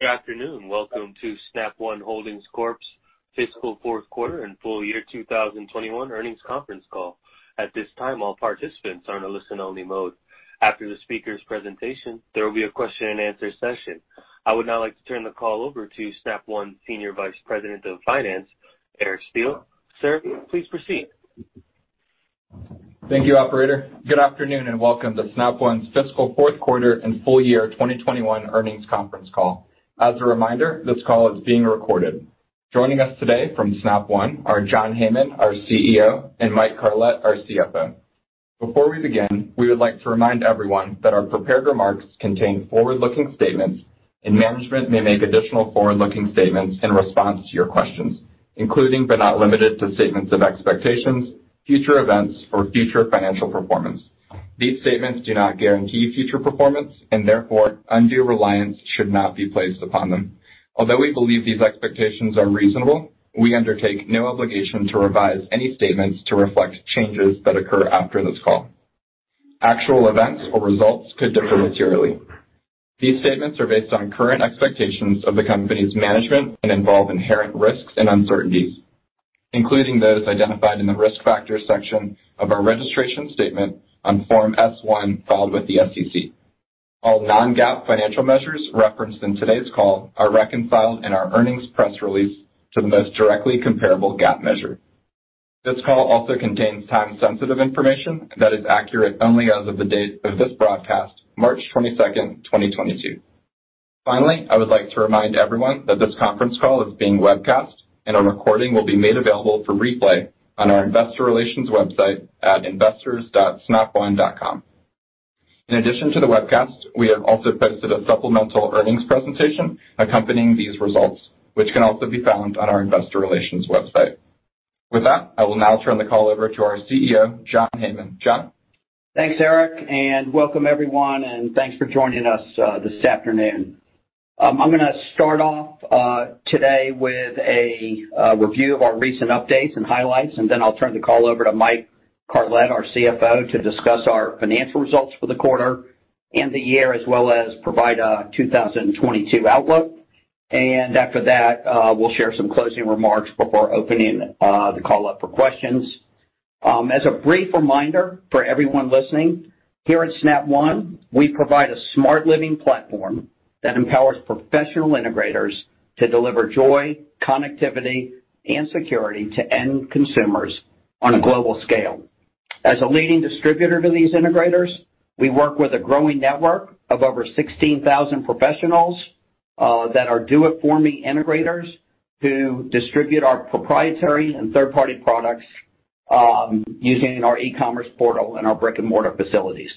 Good afternoon. Welcome to Snap One Holdings Corp's Fiscal Fourth Quarter and Full Year 2021 Earnings Conference Call. At this time, all participants are in a listen-only mode. After the speaker's presentation, there will be a question and answer session. I would now like to turn the call over to Snap One's Senior Vice President of Finance, Eric Steele. Sir, please proceed. Thank you, operator. Good afternoon, and welcome to Snap One's fiscal fourth quarter and full year 2021 earnings conference call. As a reminder, this call is being recorded. Joining us today from Snap One are John Heyman, our CEO, and Mike Carlet, our CFO. Before we begin, we would like to remind everyone that our prepared remarks contain forward-looking statements, and management may make additional forward-looking statements in response to your questions, including but not limited to statements of expectations, future events or future financial performance. These statements do not guarantee future performance and therefore undue reliance should not be placed upon them. Although we believe these expectations are reasonable, we undertake no obligation to revise any statements to reflect changes that occur after this call. Actual events or results could differ materially. These statements are based on current expectations of the company's management and involve inherent risks and uncertainties, including those identified in the Risk Factors section of our registration statement on Form S-1 filed with the SEC. All non-GAAP financial measures referenced in today's call are reconciled in our earnings press release to the most directly comparable GAAP measure. This call also contains time-sensitive information that is accurate only as of the date of this broadcast, March 22nd, 2022. Finally, I would like to remind everyone that this conference call is being webcast, and a recording will be made available for replay on our investor relations website at investors.snapone.com. In addition to the webcast, we have also posted a supplemental earnings presentation accompanying these results, which can also be found on our investor relations website. With that, I will now turn the call over to our CEO, John Heyman. John? Thanks, Eric, and welcome everyone, and thanks for joining us this afternoon. I'm gonna start off today with a review of our recent updates and highlights, and then I'll turn the call over to Mike Carlet, our CFO, to discuss our financial results for the quarter and the year as well as provide a 2022 outlook. After that, we'll share some closing remarks before opening the call up for questions. As a brief reminder for everyone listening, here at Snap One, we provide a smart living platform that empowers professional integrators to deliver joy, connectivity and security to end consumers on a global scale. As a leading distributor to these integrators, we work with a growing network of over 16,000 professionals that are do it for me integrators who distribute our proprietary and third-party products using our e-commerce portal and our brick-and-mortar facilities.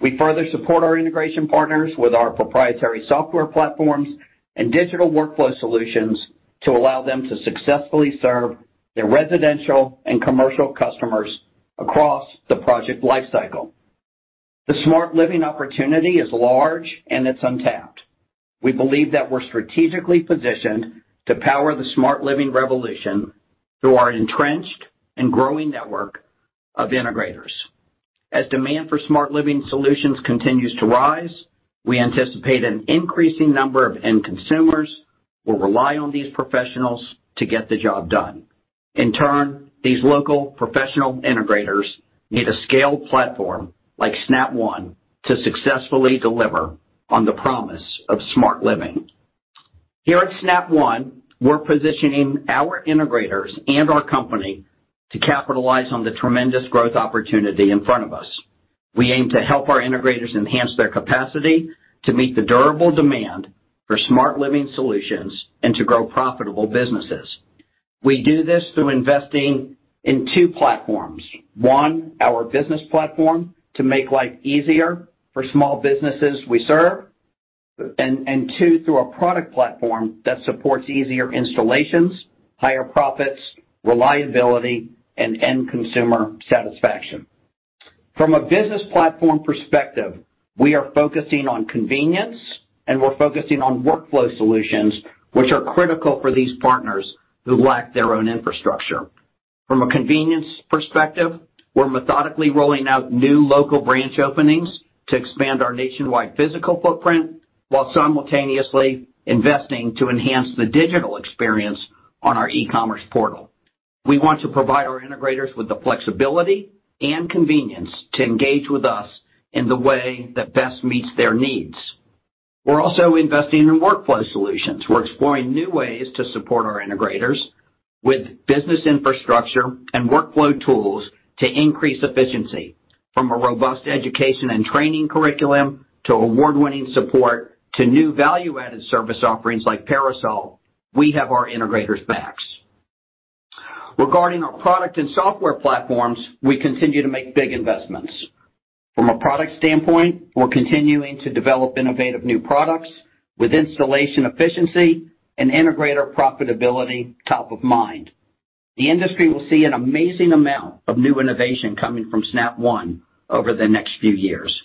We further support our integration partners with our proprietary software platforms and digital workflow solutions to allow them to successfully serve their residential and commercial customers across the project lifecycle. The smart living opportunity is large, and it's untapped. We believe that we're strategically positioned to power the smart living revolution through our entrenched and growing network of integrators. As demand for smart living solutions continues to rise, we anticipate an increasing number of end consumers will rely on these professionals to get the job done. In turn, these local professional integrators need a scaled platform like Snap One to successfully deliver on the promise of smart living. Here at Snap One, we're positioning our integrators and our company to capitalize on the tremendous growth opportunity in front of us. We aim to help our integrators enhance their capacity to meet the durable demand for smart living solutions and to grow profitable businesses. We do this through investing in two platforms. One, our business platform to make life easier for small businesses we serve. Two, through our product platform that supports easier installations, higher profits, reliability, and end consumer satisfaction. From a business platform perspective, we are focusing on convenience, and we're focusing on workflow solutions which are critical for these partners who lack their own infrastructure. From a convenience perspective, we're methodically rolling out new local branch openings to expand our nationwide physical footprint while simultaneously investing to enhance the digital experience on our e-commerce portal. We want to provide our integrators with the flexibility and convenience to engage with us in the way that best meets their needs. We're also investing in workflow solutions. We're exploring new ways to support our integrators with business infrastructure and workflow tools to increase efficiency. From a robust education and training curriculum to award-winning support to new value-added service offerings like Parasol, we have our integrators' backs. Regarding our product and software platforms, we continue to make big investments. From a product standpoint, we're continuing to develop innovative new products with installation efficiency and integrator profitability top of mind. The industry will see an amazing amount of new innovation coming from Snap One over the next few years.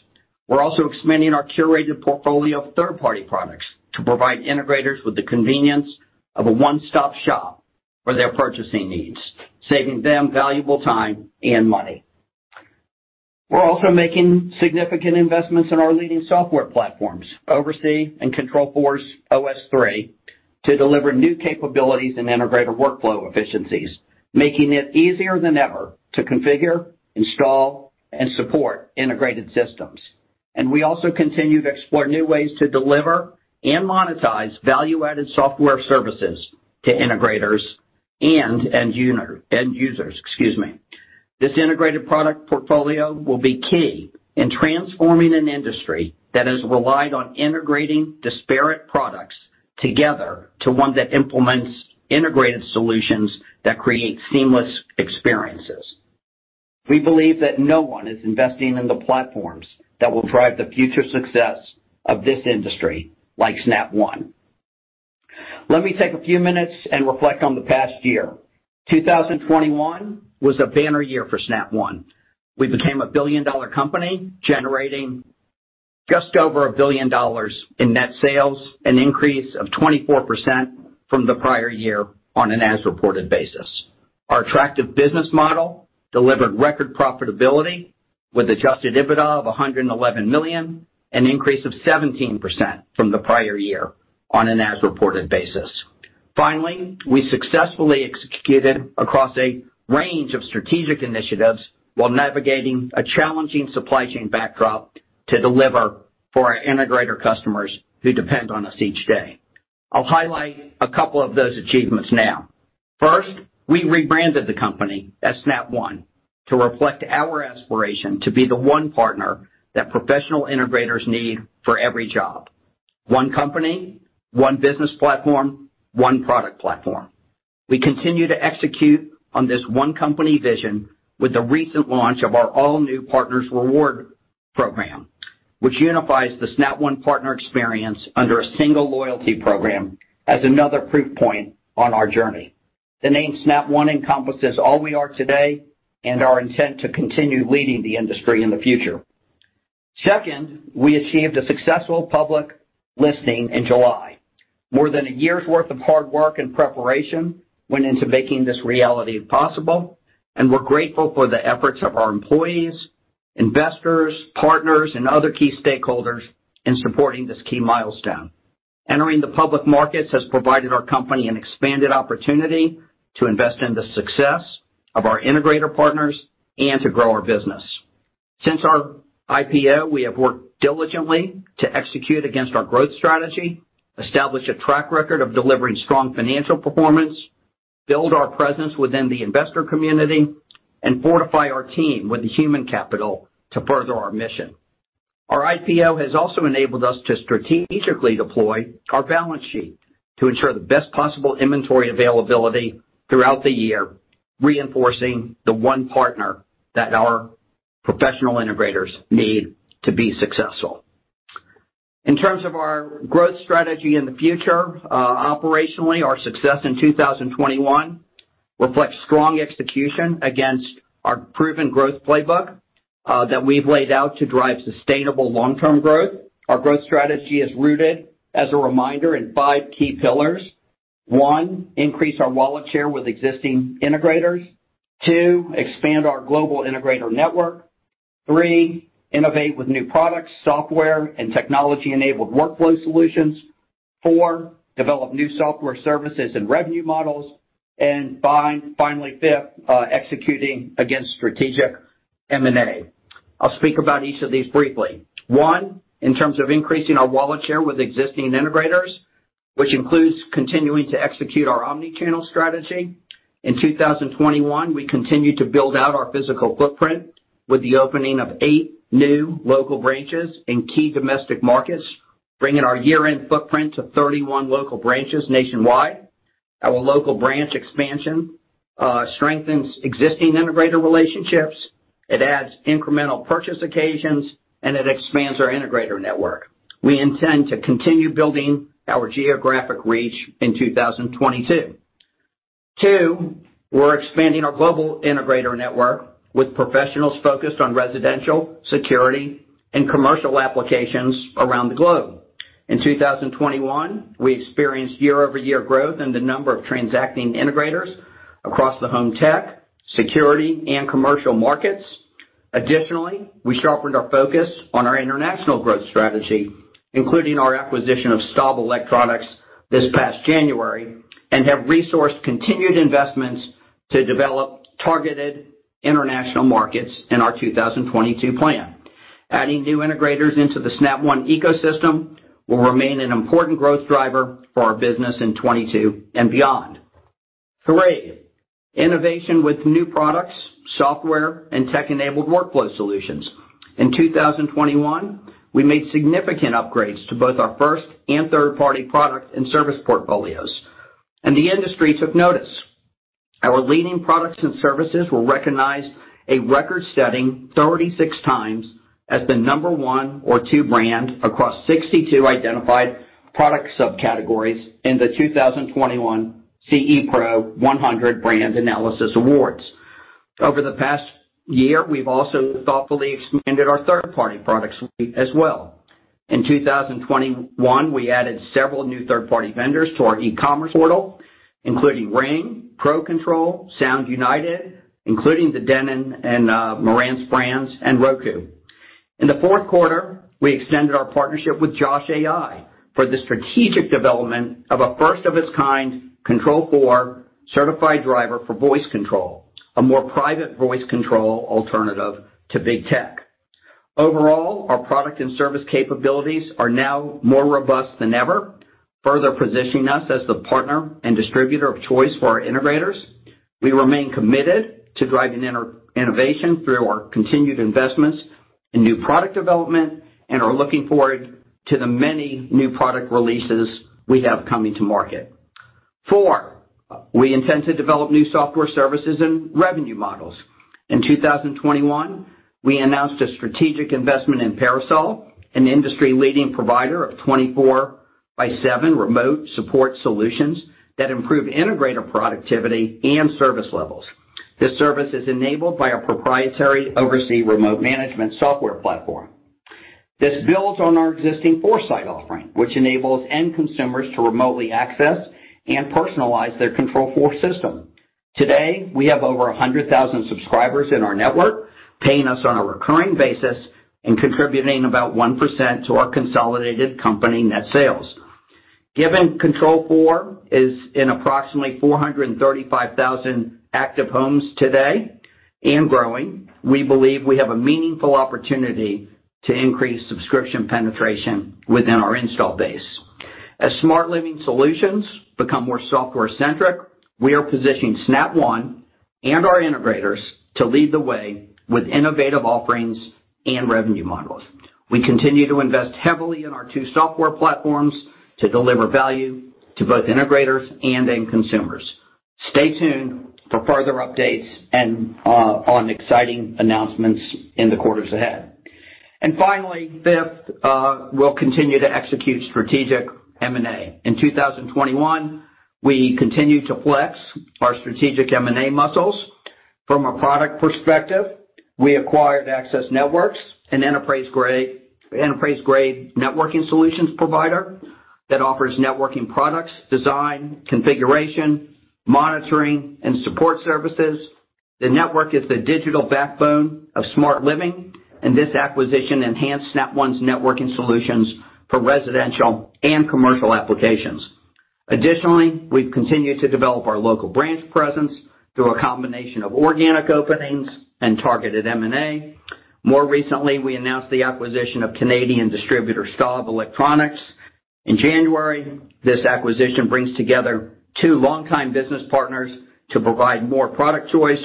We're also expanding our curated portfolio of third-party products to provide integrators with the convenience of a one-stop shop for their purchasing needs, saving them valuable time and money. We're also making significant investments in our leading software platforms, OvrC and Control4's OS3, to deliver new capabilities and integrator workflow efficiencies, making it easier than ever to configure, install, and support integrated systems. We also continue to explore new ways to deliver and monetize value-added software services to integrators and end users, excuse me. This integrated product portfolio will be key in transforming an industry that has relied on integrating disparate products together to one that implements integrated solutions that create seamless experiences. We believe that no one is investing in the platforms that will drive the future success of this industry like Snap One. Let me take a few minutes and reflect on the past year. 2021 was a banner year for Snap One. We became a billion-dollar company, generating just over $1 billion in net sales, an increase of 24% from the prior year on an as-reported basis. Our attractive business model delivered record profitability with Adjusted EBITDA of $111 million, an increase of 17% from the prior year on an as-reported basis. Finally, we successfully executed across a range of strategic initiatives while navigating a challenging supply chain backdrop to deliver for our integrator customers who depend on us each day. I'll highlight a couple of those achievements now. First, we rebranded the company as Snap One to reflect our aspiration to be the one partner that professional integrators need for every job. One company, one business platform, one product platform. We continue to execute on this one company vision with the recent launch of our all-new Partner Rewards program, which unifies the Snap One partner experience under a single loyalty program as another proof point on our journey. The name Snap One encompasses all we are today and our intent to continue leading the industry in the future. Second, we achieved a successful public listing in July. More than a year's worth of hard work and preparation went into making this reality possible, and we're grateful for the efforts of our employees, investors, partners, and other key stakeholders in supporting this key milestone. Entering the public markets has provided our company an expanded opportunity to invest in the success of our integrator partners and to grow our business. Since our IPO, we have worked diligently to execute against our growth strategy, establish a track record of delivering strong financial performance, build our presence within the investor community, and fortify our team with the human capital to further our mission. Our IPO has also enabled us to strategically deploy our balance sheet to ensure the best possible inventory availability throughout the year, reinforcing the one partner that our professional integrators need to be successful. In terms of our growth strategy in the future, operationally, our success in 2021 reflects strong execution against our proven growth playbook, that we've laid out to drive sustainable long-term growth. Our growth strategy is rooted, as a reminder, in five key pillars. One, increase our wallet share with existing integrators. Two, expand our global integrator network. Three, innovate with new products, software, and technology-enabled workflow solutions. Four, develop new software services and revenue models. Finally, 5th, executing against strategic M&A. I'll speak about each of these briefly. One, in terms of increasing our wallet share with existing integrators, which includes continuing to execute our omni-channel strategy. In 2021, we continued to build out our physical footprint with the opening of eight new local branches in key domestic markets, bringing our year-end footprint to 31 local branches nationwide. Our local branch expansion strengthens existing integrator relationships, it adds incremental purchase occasions, and it expands our integrator network. We intend to continue building our geographic reach in 2022. Two, we're expanding our global integrator network with professionals focused on residential, security, and commercial applications around the globe. In 2021, we experienced year-over-year growth in the number of transacting integrators across the home tech, security, and commercial markets. Additionally, we sharpened our focus on our international growth strategy, including our acquisition of Staub Electronics this past January, and have resourced continued investments to develop targeted international markets in our 2022 plan. Adding new integrators into the Snap One ecosystem will remain an important growth driver for our business in 2022 and beyond. Three, innovation with new products, software, and tech-enabled workflow solutions. In 2021, we made significant upgrades to both our first and third-party product and service portfolios. The industry took notice. Our leading products and services were recognized a record-setting 36 times as the number one or two brand across 62 identified product subcategories in the 2021 CE Pro 100 Brand Analysis Awards. Over the past year, we've also thoughtfully expanded our third-party product suite as well. In 2021, we added several new third-party vendors to our e-commerce portal, including Ring, Pro Control, Sound United, including the Denon and Marantz brands, and Roku. In the fourth quarter, we extended our partnership with Josh.ai for the strategic development of a first-of-its-kind Control4 certified driver for voice control, a more private voice control alternative to big tech. Overall, our product and service capabilities are now more robust than ever, further positioning us as the partner and distributor of choice for our integrators. We remain committed to driving innovation through our continued investments in new product development and are looking forward to the many new product releases we have coming to market. Four, we intend to develop new software services and revenue models. In 2021, we announced a strategic investment in Parasol, an industry-leading provider of 24/7 remote support solutions that improve integrator productivity and service levels. This service is enabled by our proprietary OvrC remote management software platform. This builds on our existing 4Sight offering, which enables end consumers to remotely access and personalize their Control4 system. Today, we have over 100,000 subscribers in our network, paying us on a recurring basis and contributing about 1% to our consolidated company net sales. Given Control4 is in approximately 435,000 active homes today and growing, we believe we have a meaningful opportunity to increase subscription penetration within our install base. As smart living solutions become more software-centric, we are positioning Snap One and our integrators to lead the way with innovative offerings and revenue models. We continue to invest heavily in our two software platforms to deliver value to both integrators and end consumers. Stay tuned for further updates and on exciting announcements in the quarters ahead. Finally, 5th, we'll continue to execute strategic M&A. In 2021, we continued to flex our strategic M&A muscles. From a product perspective, we acquired Access Networks, an enterprise-grade networking solutions provider that offers networking products, design, configuration, monitoring, and support services. The network is the digital backbone of smart living, and this acquisition enhanced Snap One's networking solutions for residential and commercial applications. Additionally, we've continued to develop our local branch presence through a combination of organic openings and targeted M&A. More recently, we announced the acquisition of Canadian distributor Staub Electronics. In January, this acquisition brings together two longtime business partners to provide more product choice,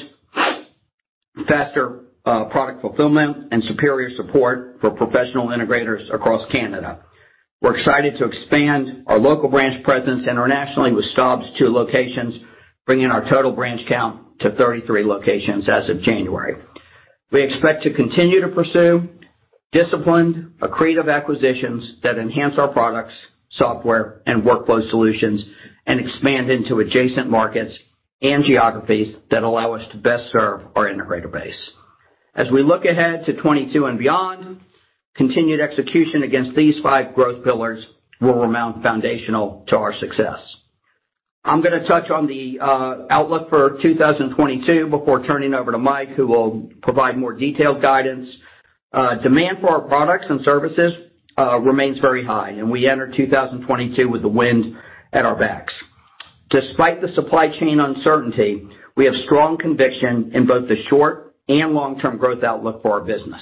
faster product fulfillment, and superior support for professional integrators across Canada. We're excited to expand our local branch presence internationally with Staub's two locations, bringing our total branch count to 33 locations as of January. We expect to continue to pursue disciplined, accretive acquisitions that enhance our products, software, and workflow solutions and expand into adjacent markets and geographies that allow us to best serve our integrator base. As we look ahead to 2022 and beyond, continued execution against these five growth pillars will remain foundational to our success. I'm gonna touch on the outlook for 2022 before turning over to Mike, who will provide more detailed guidance. Demand for our products and services remains very high, and we enter 2022 with the wind at our backs. Despite the supply chain uncertainty, we have strong conviction in both the short and long-term growth outlook for our business.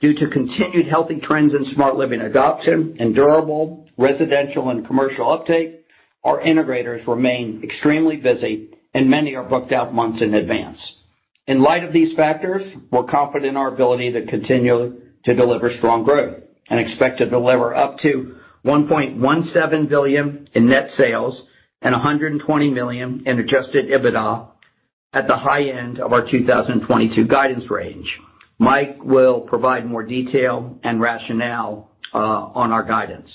Due to continued healthy trends in smart living adoption and durable residential and commercial uptake, our integrators remain extremely busy and many are booked out months in advance. In light of these factors, we're confident in our ability to continue to deliver strong growth and expect to deliver up to $1.17 billion in net sales and $120 million in Adjusted EBITDA at the high end of our 2022 guidance range. Mike will provide more detail and rationale on our guidance.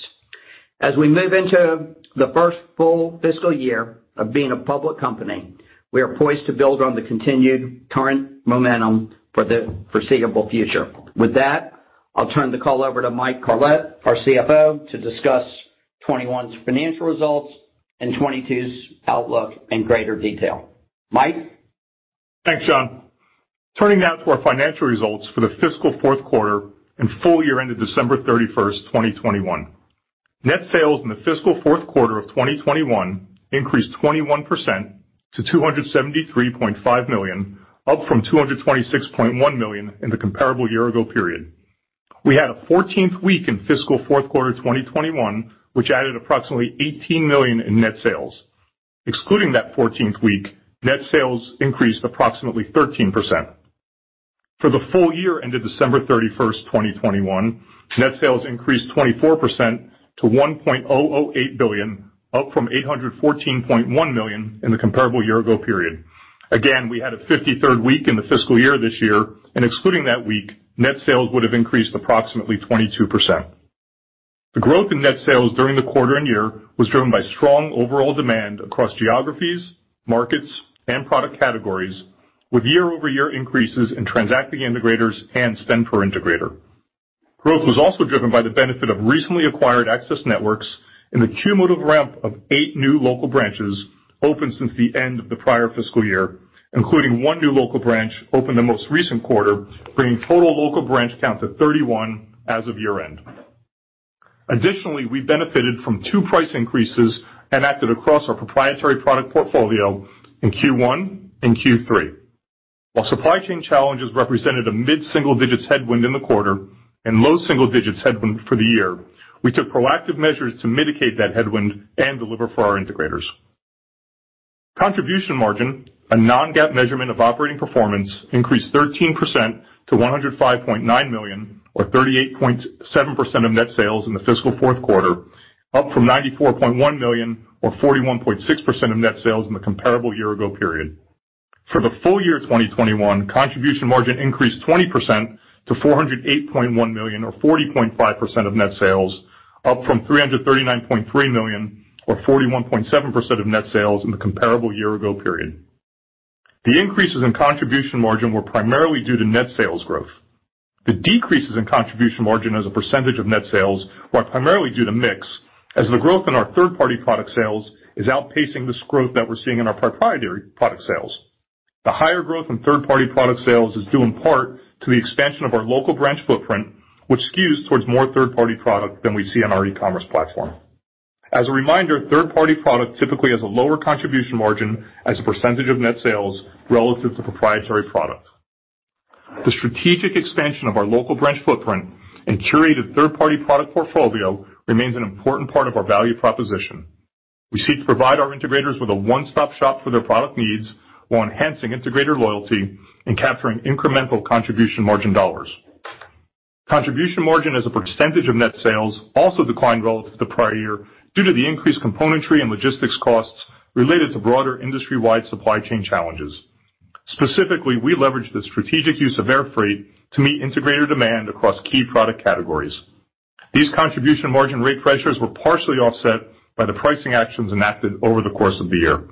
As we move into the first full fiscal year of being a public company, we are poised to build on the continued current momentum for the foreseeable future. With that, I'll turn the call over to Mike Carlet, our CFO, to discuss 2021's financial results and 2022's outlook in greater detail. Mike? Thanks, John. Turning now to our financial results for the fiscal fourth quarter and full year ended December 31st, 2021. Net sales in the fiscal fourth quarter of 2021 increased 21% to $273.5 million, up from $226.1 million in the comparable year ago period. We had a 14th week in fiscal fourth quarter 2021, which added approximately $18 million in net sales. Excluding that 14th week, net sales increased approximately 13%. For the full year ended December 31st, 2021, net sales increased 24% to $1.008 billion, up from $814.1 million in the comparable year ago period. Again, we had a 53rd week in the fiscal year this year, and excluding that week, net sales would have increased approximately 22%. The growth in net sales during the quarter and year was driven by strong overall demand across geographies, markets, and product categories, with year-over-year increases in transacting integrators and spend per integrator. Growth was also driven by the benefit of recently acquired Access Networks and the cumulative ramp of eight new local branches opened since the end of the prior fiscal year, including one new local branch opened in the most recent quarter, bringing total local branch count to 31 as of year-end. Additionally, we benefited from two price increases enacted across our proprietary product portfolio in Q1 and Q3. While supply chain challenges represented a mid-single digits headwind in the quarter and low single digits headwind for the year, we took proactive measures to mitigate that headwind and deliver for our integrators. Contribution margin, a non-GAAP measurement of operating performance, increased 13% to $105.9 million, or 38.7% of net sales in the fiscal fourth quarter, up from $94.1 million or 41.6% of net sales in the comparable year ago period. For the full year 2021, contribution margin increased 20% to $408.1 million or 40.5% of net sales, up from $339.3 million or 41.7% of net sales in the comparable year ago period. The increases in contribution margin were primarily due to net sales growth. The decreases in contribution margin as a percentage of net sales were primarily due to mix, as the growth in our third-party product sales is outpacing this growth that we're seeing in our proprietary product sales. The higher growth in third-party product sales is due in part to the expansion of our local branch footprint, which skews towards more third-party product than we see on our e-commerce platform. As a reminder, third-party product typically has a lower contribution margin as a percentage of net sales relative to proprietary products. The strategic expansion of our local branch footprint and curated third-party product portfolio remains an important part of our value proposition. We seek to provide our integrators with a one-stop shop for their product needs while enhancing integrator loyalty and capturing incremental contribution margin dollars. Contribution margin as a percentage of net sales also declined relative to the prior year due to the increased componentry and logistics costs related to broader industry-wide supply chain challenges. Specifically, we leveraged the strategic use of air freight to meet integrator demand across key product categories. These contribution margin rate pressures were partially offset by the pricing actions enacted over the course of the year.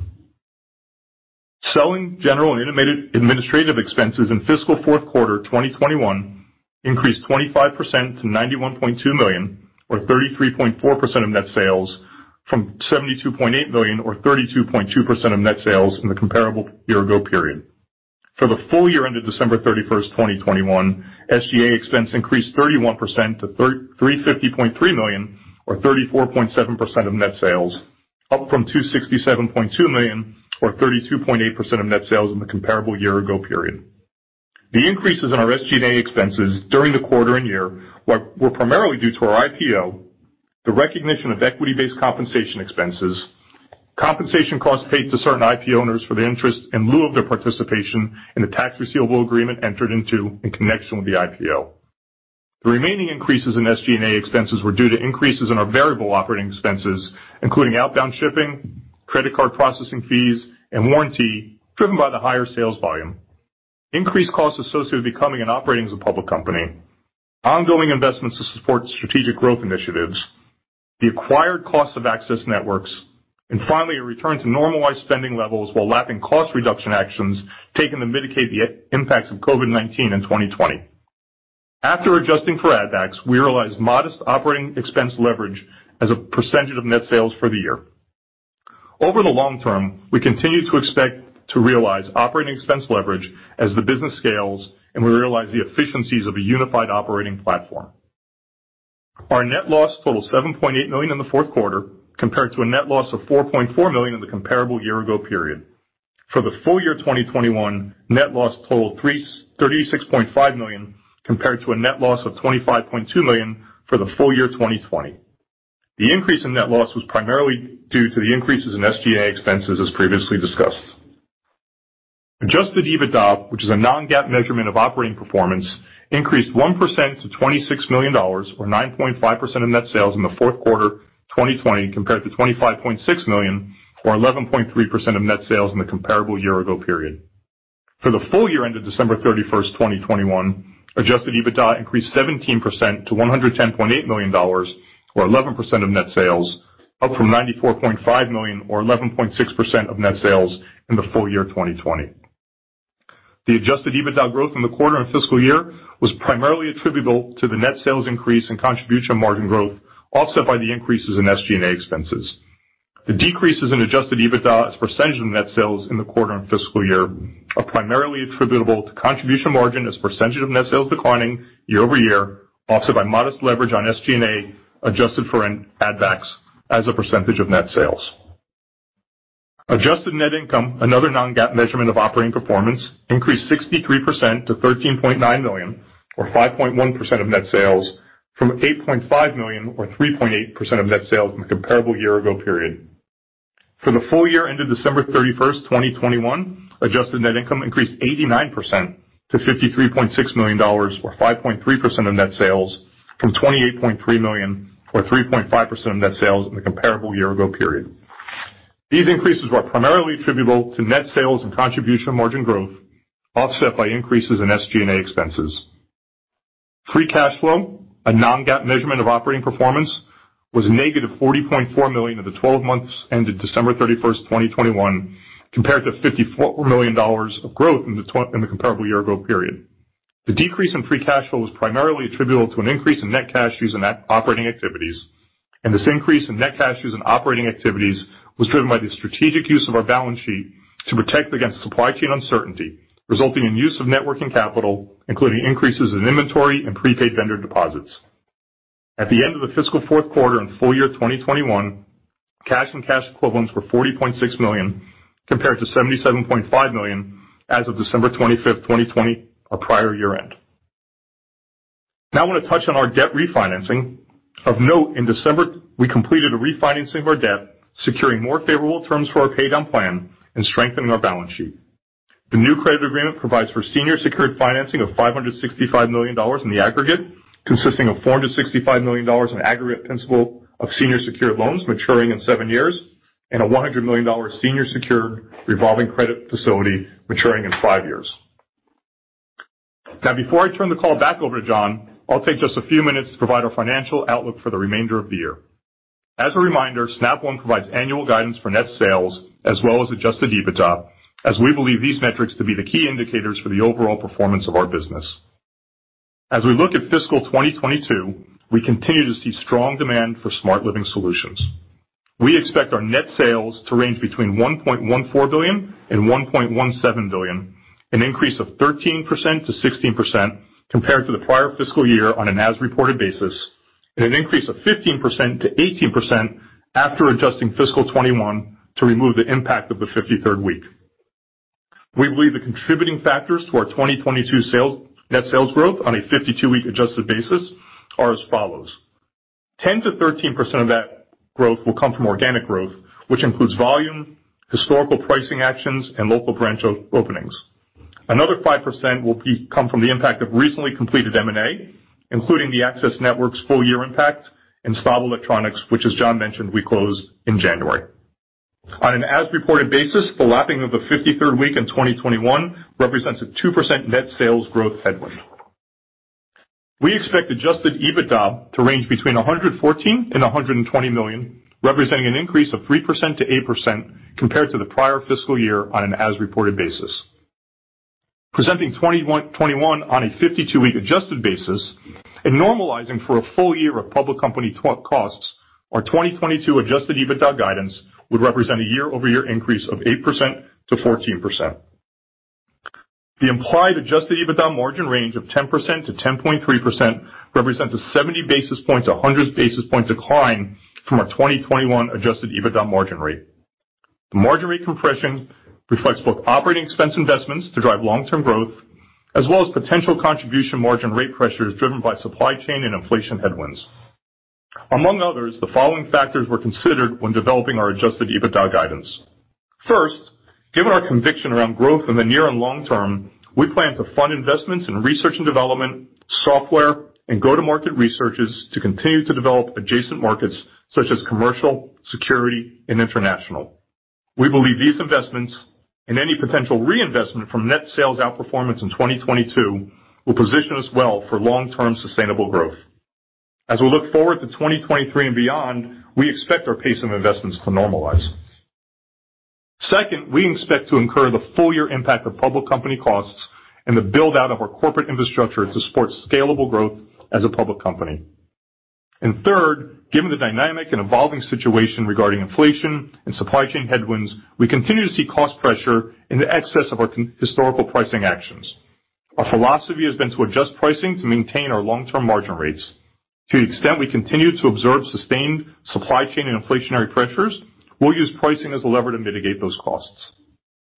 Selling, general, and administrative expenses in fiscal fourth quarter 2021 increased 25% to $91.2 million, or 33.4% of net sales from $72.8 million or 32.2% of net sales in the comparable year ago period. For the full year ended December 31st, 2021, SG&A expense increased 31% to $350.3 million or 34.7% of net sales, up from $267.2 million or 32.8% of net sales in the comparable year ago period. The increases in our SG&A expenses during the quarter and year were primarily due to our IPO, the recognition of equity-based compensation expenses, compensation costs paid to certain IPO owners for the interest in lieu of their participation in the tax receivable agreement entered into in connection with the IPO. The remaining increases in SG&A expenses were due to increases in our variable operating expenses, including outbound shipping, credit card processing fees, and warranty driven by the higher sales volume, increased costs associated with becoming and operating as a public company, ongoing investments to support strategic growth initiatives, the acquired cost of Access Networks, and finally, a return to normalized spending levels while lapping cost reduction actions taken to mitigate the impacts of COVID-19 in 2020. After adjusting for add-backs, we realized modest operating expense leverage as a percentage of net sales for the year. Over the long term, we continue to expect to realize operating expense leverage as the business scales, and we realize the efficiencies of a unified operating platform. Our net loss totaled $7.8 million in the fourth quarter, compared to a net loss of $4.4 million in the comparable year ago period. For the full year 2021, net loss totaled $36.5 million, compared to a net loss of $25.2 million for the full year 2020. The increase in net loss was primarily due to the increases in SG&A expenses as previously discussed. Adjusted EBITDA, which is a non-GAAP measurement of operating performance, increased 1% to $26 million or 9.5% of net sales in the fourth quarter 2021, compared to $25.6 million or 11.3% of net sales in the comparable year ago period. For the full year ended December 31st, 2021, Adjusted EBITDA increased 17% to $110.8 million or 11% of net sales, up from $94.5 million or 11.6% of net sales in the full year 2020. The Adjusted EBITDA growth in the quarter and fiscal year was primarily attributable to the net sales increase in contribution margin growth, offset by the increases in SG&A expenses. The decreases in Adjusted EBITDA as a percentage of net sales in the quarter and fiscal year are primarily attributable to contribution margin as a percentage of net sales declining year-over-year, offset by modest leverage on SG&A, adjusted for an add-backs as a percentage of net sales. Adjusted net income, another non-GAAP measurement of operating performance, increased 63% to $13.9 million or 5.1% of net sales from $8.5 million or 3.8% of net sales from the comparable year-ago period. For the full year ended December 31st, 2021, adjusted net income increased 89% to $53.6 million or 5.3% of net sales from $28.3 million or 3.5% of net sales in the comparable year-ago period. These increases were primarily attributable to net sales and contribution margin growth, offset by increases in SG&A expenses. Free cash flow, a non-GAAP measurement of operating performance, was -$40.4 million for the 12 months ended December 31st, 2021, compared to $54 million of growth in the comparable year-ago period. The decrease in free cash flow was primarily attributable to an increase in net cash used in net operating activities, and this increase in net cash used in operating activities was driven by the strategic use of our balance sheet to protect against supply chain uncertainty, resulting in use of net working capital, including increases in inventory and prepaid vendor deposits. At the end of the fiscal fourth quarter and full year 2021, cash and cash equivalents were $40.6 million compared to $77.5 million as of December 25th, 2020, our prior year end. Now I wanna touch on our debt refinancing. Of note, in December, we completed a refinancing of our debt, securing more favorable terms for our pay down plan and strengthening our balance sheet. The new credit agreement provides for senior secured financing of $565 million in the aggregate, consisting of $465 million in aggregate principal of senior secured loans maturing in seven years, and a $100 million senior secured revolving credit facility maturing in five years. Now, before I turn the call back over to John, I'll take just a few minutes to provide our financial outlook for the remainder of the year. As a reminder, Snap One provides annual guidance for net sales as well as Adjusted EBITDA, as we believe these metrics to be the key indicators for the overall performance of our business. As we look at fiscal 2022, we continue to see strong demand for smart living solutions. We expect our net sales to range between $1.14 billion and $1.17 billion, an increase of 13%-16% compared to the prior fiscal year on an as-reported basis, and an increase of 15%-18% after adjusting fiscal 2021 to remove the impact of the 53rd week. We believe the contributing factors to our 2022 sales, net sales growth on a 52-week adjusted basis are as follows: 10%-13% of that growth will come from organic growth, which includes volume, historical pricing actions, and local branch openings. Another 5% will come from the impact of recently completed M&A, including the Access Networks' full-year impact and Staub Electronics, which as John mentioned, we closed in January. On an as-reported basis, the lapping of the 53rd week in 2021 represents a 2% net sales growth headwind. We expect Adjusted EBITDA to range between $114 million and $120 million, representing an increase of 3%-8% compared to the prior fiscal year on an as-reported basis. Presenting 2021 on a 52-week adjusted basis and normalizing for a full year of public company costs, our 2022 Adjusted EBITDA guidance would represent a year-over-year increase of 8%-14%. The implied Adjusted EBITDA margin range of 10%-10.3% represents a 70 basis point-100 basis point decline from our 2021 Adjusted EBITDA margin rate. The margin rate compression reflects both operating expense investments to drive long-term growth, as well as potential contribution margin rate pressures driven by supply chain and inflation headwinds. Among others, the following factors were considered when developing our Adjusted EBITDA guidance. First, given our conviction around growth in the near and long term, we plan to fund investments in research and development, software, and go-to-market resources to continue to develop adjacent markets such as commercial, security, and international. We believe these investments and any potential reinvestment from net sales outperformance in 2022 will position us well for long-term sustainable growth. As we look forward to 2023 and beyond, we expect our pace of investments to normalize. Second, we expect to incur the full year impact of public company costs and the build-out of our corporate infrastructure to support scalable growth as a public company. Third, given the dynamic and evolving situation regarding inflation and supply chain headwinds, we continue to see cost pressure in excess of our historical pricing actions. Our philosophy has been to adjust pricing to maintain our long-term margin rates. To the extent we continue to observe sustained supply chain and inflationary pressures, we'll use pricing as a lever to mitigate those costs.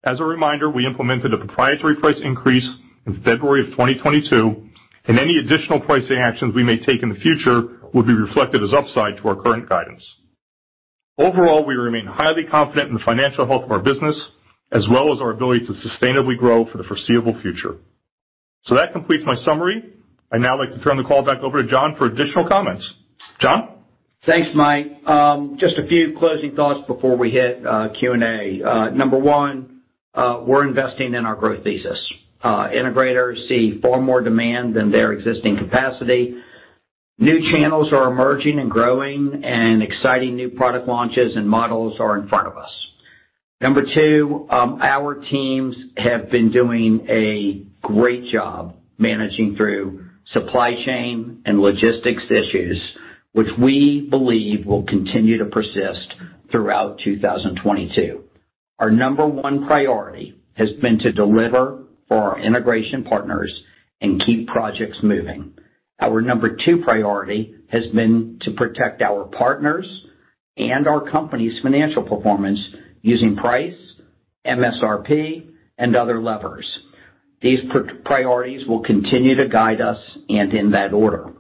As a reminder, we implemented a proprietary price increase in February of 2022, and any additional pricing actions we may take in the future will be reflected as upside to our current guidance. Overall, we remain highly confident in the financial health of our business as well as our ability to sustainably grow for the foreseeable future. That completes my summary. I'd now like to turn the call back over to John for additional comments. John? Thanks, Mike. Just a few closing thoughts before we hit Q&A. Number one, we're investing in our growth thesis. Integrators see far more demand than their existing capacity. New channels are emerging and growing, and exciting new product launches and models are in front of us. Number two, our teams have been doing a great job managing through supply chain and logistics issues, which we believe will continue to persist throughout 2022. Our number one priority has been to deliver for our integration partners and keep projects moving. Our number two priority has been to protect our partners and our company's financial performance using price, MSRP, and other levers. These priorities will continue to guide us and in that order.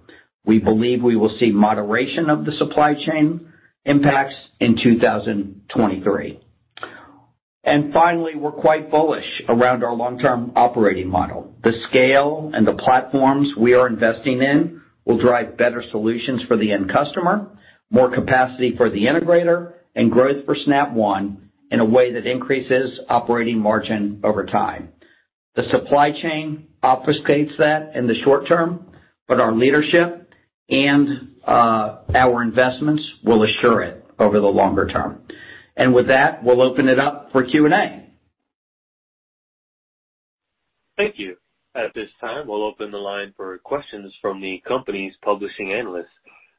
We believe we will see moderation of the supply chain impacts in 2023. Finally, we're quite bullish around our long-term operating model. The scale and the platforms we are investing in will drive better solutions for the end customer, more capacity for the integrator, and growth for Snap One in a way that increases operating margin over time. The supply chain obfuscates that in the short term, but our leadership and, our investments will assure it over the longer term. With that, we'll open it up for Q&A. Thank you. At this time, we'll open the line for questions from the company's publishing analysts.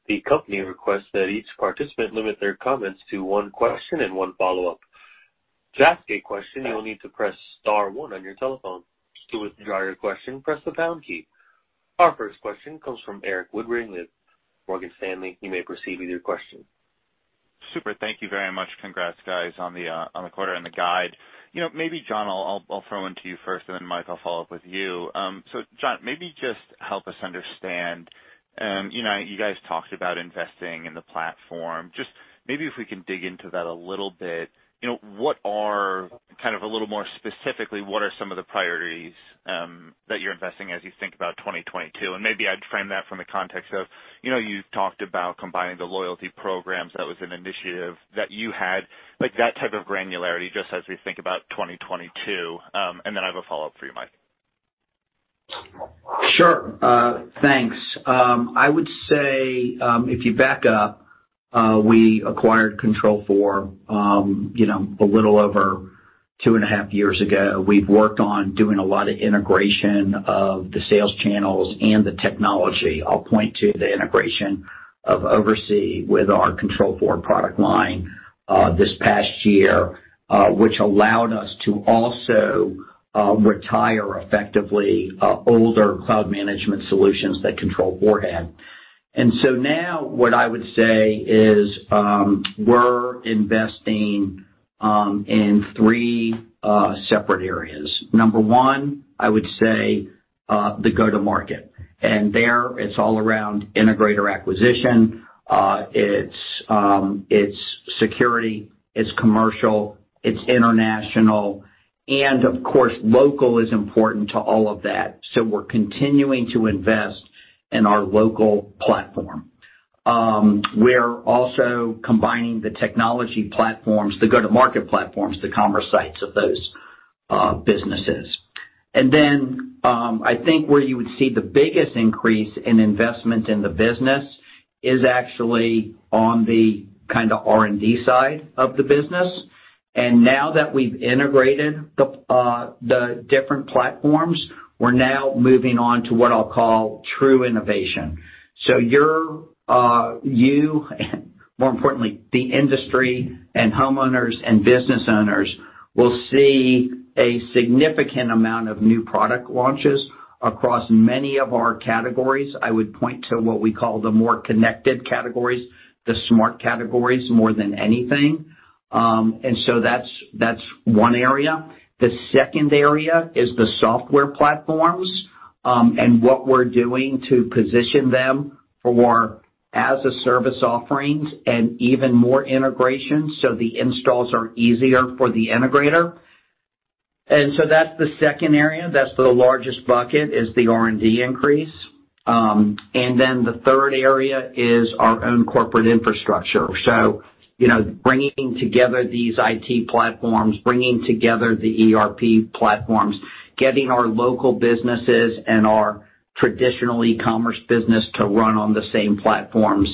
The company requests that each participant limit their comments to one question and one follow-up. To ask a question, you will need to press star one on your telephone. To withdraw your question, press the pound key. Our first question comes from Erik Woodring with Morgan Stanley. You may proceed with your question. Super. Thank you very much. Congrats, guys, on the quarter and the guide. You know, maybe John, I'll throw one to you first, and then Mike, I'll follow up with you. So John, maybe just help us understand, you know, you guys talked about investing in the platform. Just maybe if we can dig into that a little bit, you know, what are kind of a little more specifically, what are some of the priorities that you're investing as you think about 2022? And maybe I'd frame that from the context of, you know, you've talked about combining the loyalty programs. That was an initiative that you had, like, that type of granularity, just as we think about 2022. And then I have a follow-up for you, Mike. Sure. Thanks. I would say, if you back up, we acquired Control4, you know, a little over 2.5 years ago. We've worked on doing a lot of integration of the sales channels and the technology. I'll point to the integration of OvrC with our Control4 product line, this past year, which allowed us to also retire effectively older cloud management solutions that Control4 had. Now what I would say is, we're investing in three separate areas. Number one, I would say, the go-to-market. There, it's all around integrator acquisition. It's security, it's commercial, it's international, and of course, local is important to all of that. We're continuing to invest in our local platform. We're also combining the technology platforms, the go-to-market platforms, the commerce sites of those businesses. I think where you would see the biggest increase in investment in the business is actually on the kinda R&D side of the business. Now that we've integrated the different platforms, we're now moving on to what I'll call true innovation. You, more importantly, the industry and homeowners and business owners will see a significant amount of new product launches across many of our categories. I would point to what we call the more connected categories, the smart categories, more than anything. That's one area. The second area is the software platforms, and what we're doing to position them for as-a-service offerings and even more integration, so the installs are easier for the integrator. That's the second area. That's the largest bucket, is the R&D increase. Then the third area is our own corporate infrastructure. You know, bringing together these IT platforms, bringing together the ERP platforms, getting our local businesses and our traditional e-commerce business to run on the same platforms,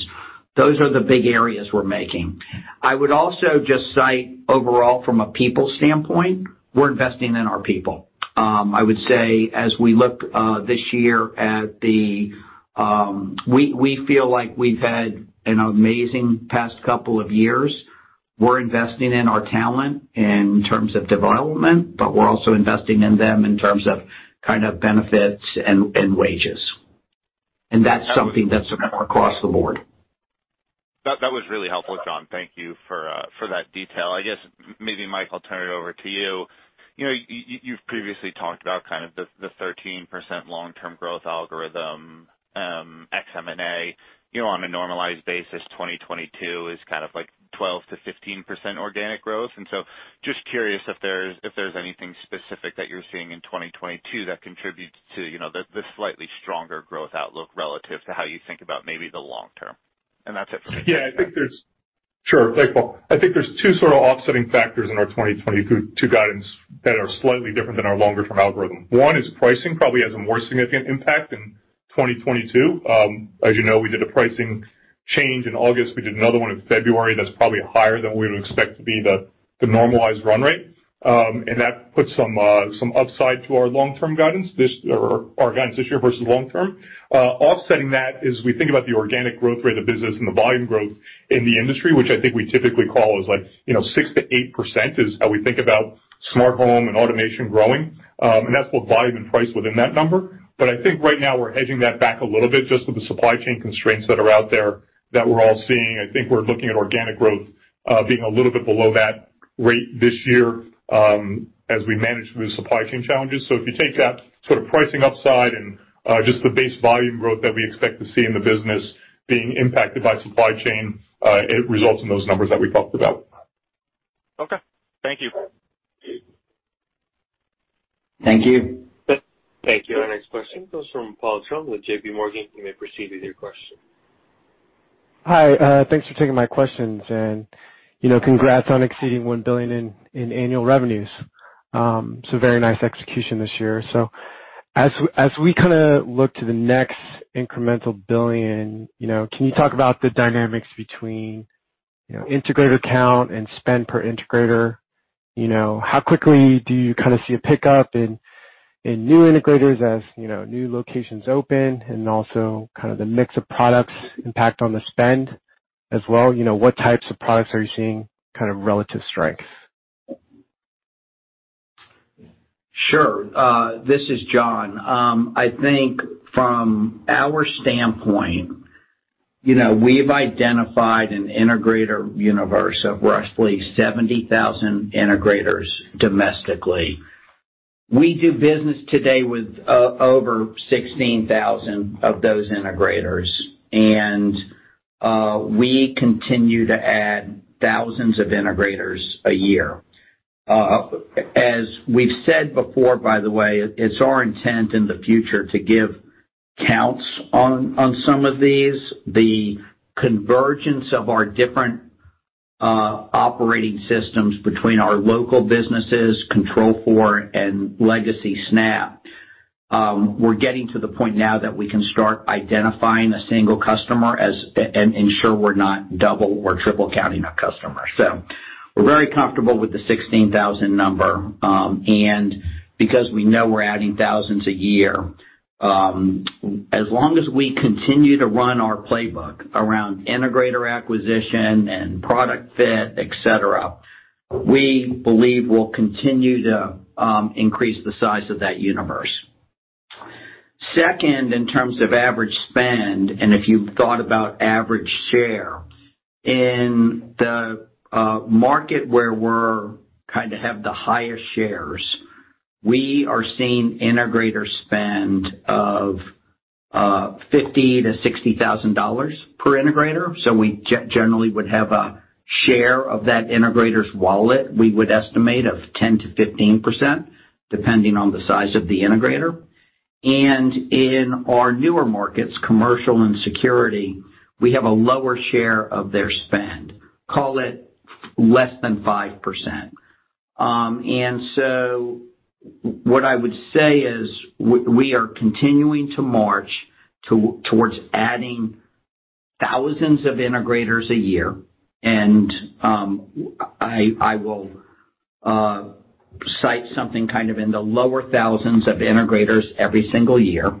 those are the big areas we're making. I would also just cite overall from a people standpoint, we're investing in our people. I would say as we look this year at the. We feel like we've had an amazing past couple of years. We're investing in our talent in terms of development, but we're also investing in them in terms of kind of benefits and wages. That's something that's across the board. That was really helpful, John. Thank you for that detail. I guess maybe Mike, I'll turn it over to you. You know, you've previously talked about kind of the 13% long-term growth algorithm, ex M&A. You know, on a normalized basis, 2022 is kind of like 12%-15% organic growth. Just curious if there's anything specific that you're seeing in 2022 that contributes to, you know, the slightly stronger growth outlook relative to how you think about maybe the long term. That's it for me. Yeah, I think there's. I think there's two sort of offsetting factors in our 2022 guidance that are slightly different than our longer term algorithm. One is pricing probably has a more significant impact in 2022. As you know, we did a pricing change in August. We did another one in February that's probably higher than we would expect to be the normalized run rate. And that puts some upside to our guidance this year versus long term. Offsetting that is we think about the organic growth rate of business and the volume growth in the industry, which I think we typically call is like, you know, 6%-8% is how we think about smart home and automation growing. And that's both volume and price within that number. I think right now we're hedging that back a little bit just with the supply chain constraints that are out there that we're all seeing. I think we're looking at organic growth being a little bit below that rate this year as we manage through supply chain challenges. If you take that sort of pricing upside and just the base volume growth that we expect to see in the business being impacted by supply chain, it results in those numbers that we talked about. Okay. Thank you. Thank you. Thank you. Our next question comes from Paul Chung with JPMorgan. You may proceed with your question. Hi, thanks for taking my questions. You know, congrats on exceeding $1 billion in annual revenues. Very nice execution this year. As we kinda look to the next incremental billion, you know, can you talk about the dynamics between, you know, integrator count and spend per integrator? You know, how quickly do you kinda see a pickup in new integrators as, you know, new locations open and also kind of the mix of products impact on the spend as well? You know, what types of products are you seeing kind of relative strength? Sure. This is John. I think from our standpoint, you know, we've identified an integrator universe of roughly 70,000 integrators domestically. We do business today with over 16,000 of those integrators, and we continue to add thousands of integrators a year. As we've said before, by the way, it's our intent in the future to give counts on some of these. The convergence of our different operating systems between our local businesses, Control4 and legacy Snap, we're getting to the point now that we can start identifying a single customer and ensure we're not double or triple counting a customer. We're very comfortable with the 16,000 number, and because we know we're adding thousands a year. As long as we continue to run our playbook around integrator acquisition and product fit, et cetera, we believe we'll continue to increase the size of that universe. Second, in terms of average spend, and if you've thought about average share, in the market where we're kinda have the highest shares, we are seeing integrator spend of $50,000-$60,000 per integrator. We generally would have a share of that integrator's wallet, we would estimate, of 10%-15%, depending on the size of the integrator. In our newer markets, commercial and security, we have a lower share of their spend. Call it less than 5%. What I would say is we are continuing to march towards adding thousands of integrators a year, and I will cite something kind of in the lower thousands of integrators every single year.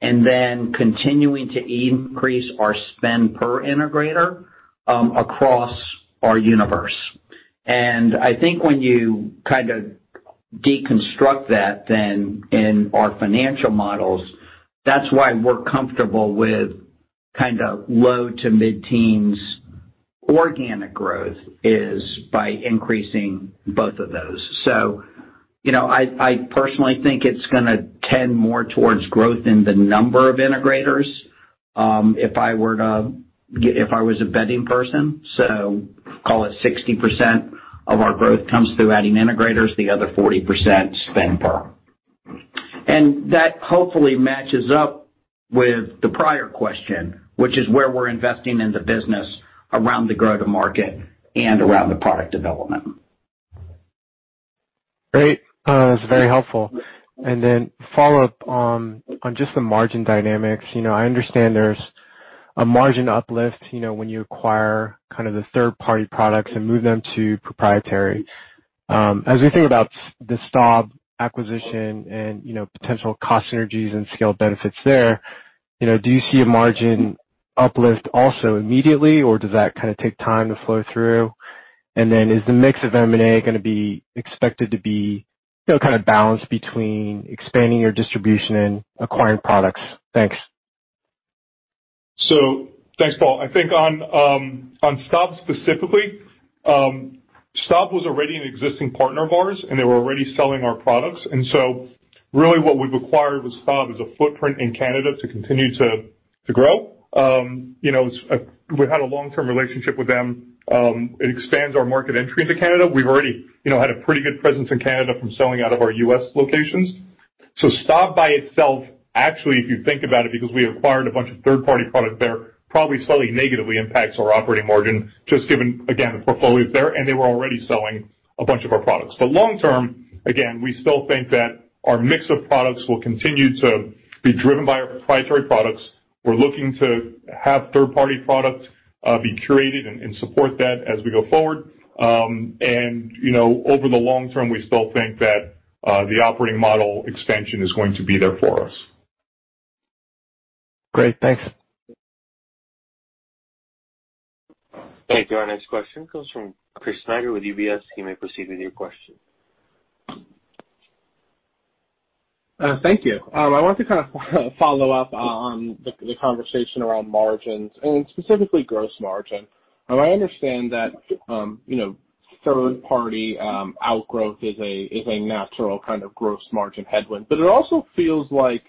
Then continuing to increase our spend per integrator across our universe. I think when you kind of deconstruct that in our financial models, that's why we're comfortable with kind of low to mid-teens organic growth by increasing both of those. You know, I personally think it's gonna tend more towards growth in the number of integrators if I was a betting person, so call it 60% of our growth comes through adding integrators, the other 40% spend per integrator. That hopefully matches up with the prior question, which is where we're investing in the business around the go-to-market and around the product development. Great. That's very helpful. Follow-up on just the margin dynamics. You know, I understand there's a margin uplift, you know, when you acquire kind of the third-party products and move them to proprietary. As we think about the Staub acquisition and, you know, potential cost synergies and scale benefits there, you know, do you see a margin uplift also immediately or does that kinda take time to flow through? Is the mix of M&A gonna be expected to be, you know, kinda balanced between expanding your distribution and acquiring products? Thanks. Thanks, Paul. I think on Staub specifically, Staub was already an existing partner of ours and they were already selling our products. Really what we've acquired with Staub is a footprint in Canada to continue to grow. You know, we had a long-term relationship with them. It expands our market entry into Canada. We've already, you know, had a pretty good presence in Canada from selling out of our U.S. locations. Staub by itself, actually, if you think about it, because we acquired a bunch of third-party product there, probably slightly negatively impacts our operating margin, just given again the portfolios there, and they were already selling a bunch of our products. Long term, again, we still think that our mix of products will continue to be driven by our proprietary products. We're looking to have third-party products be curated and support that as we go forward. You know, over the long term, we still think that the operating model extension is going to be there for us. Great. Thanks. Thank you. Our next question comes from Chris Snyder with UBS. You may proceed with your question. Thank you. I want to kind of follow up on the conversation around margins and specifically gross margin. Now I understand that, you know, third-party outgrowth is a natural kind of gross margin headwind, but it also feels like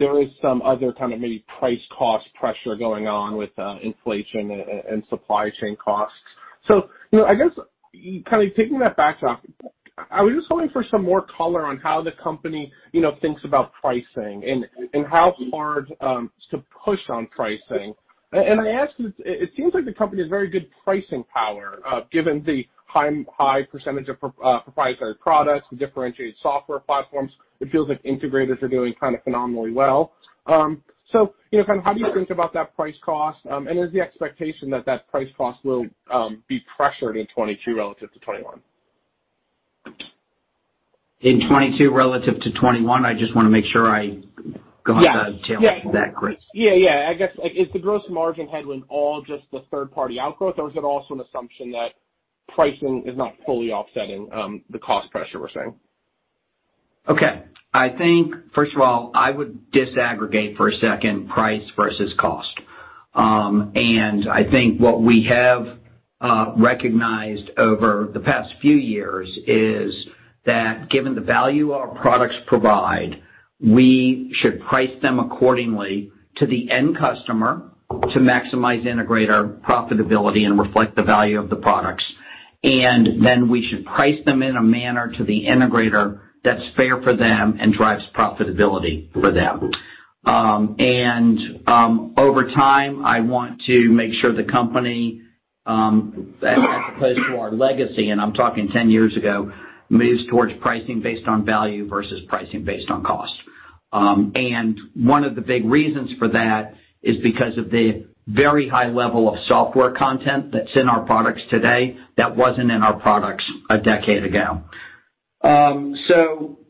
there is some other kind of maybe price cost pressure going on with inflation and supply chain costs. You know, I guess kind of taking that back, I was just hoping for some more color on how the company, you know, thinks about pricing and how hard to push on pricing. I ask because it seems like the company has very good pricing power, given the high percentage of proprietary products and differentiated software platforms. It feels like integrators are doing kind of phenomenally well. You know, kind of how do you think about that price cost? Is the expectation that price cost will be pressured in 2022 relative to 2021? In 2022 relative to 2021? I just wanna make sure I- Yes. Got the tail of that correct. Yeah, yeah. I guess, like is the gross margin headwind all just the third party outgrowth, or is it also an assumption that pricing is not fully offsetting, the cost pressure we're seeing? Okay. I think, first of all, I would disaggregate for a second price versus cost. I think what we have recognized over the past few years is that given the value our products provide, we should price them accordingly to the end customer to maximize integrator profitability and reflect the value of the products. We should price them in a manner to the integrator that's fair for them and drives profitability for them. Over time, I want to make sure the company, as opposed to our legacy, and I'm talking 10 years ago, moves towards pricing based on value versus pricing based on cost. One of the big reasons for that is because of the very high level of software content that's in our products today that wasn't in our products a decade ago.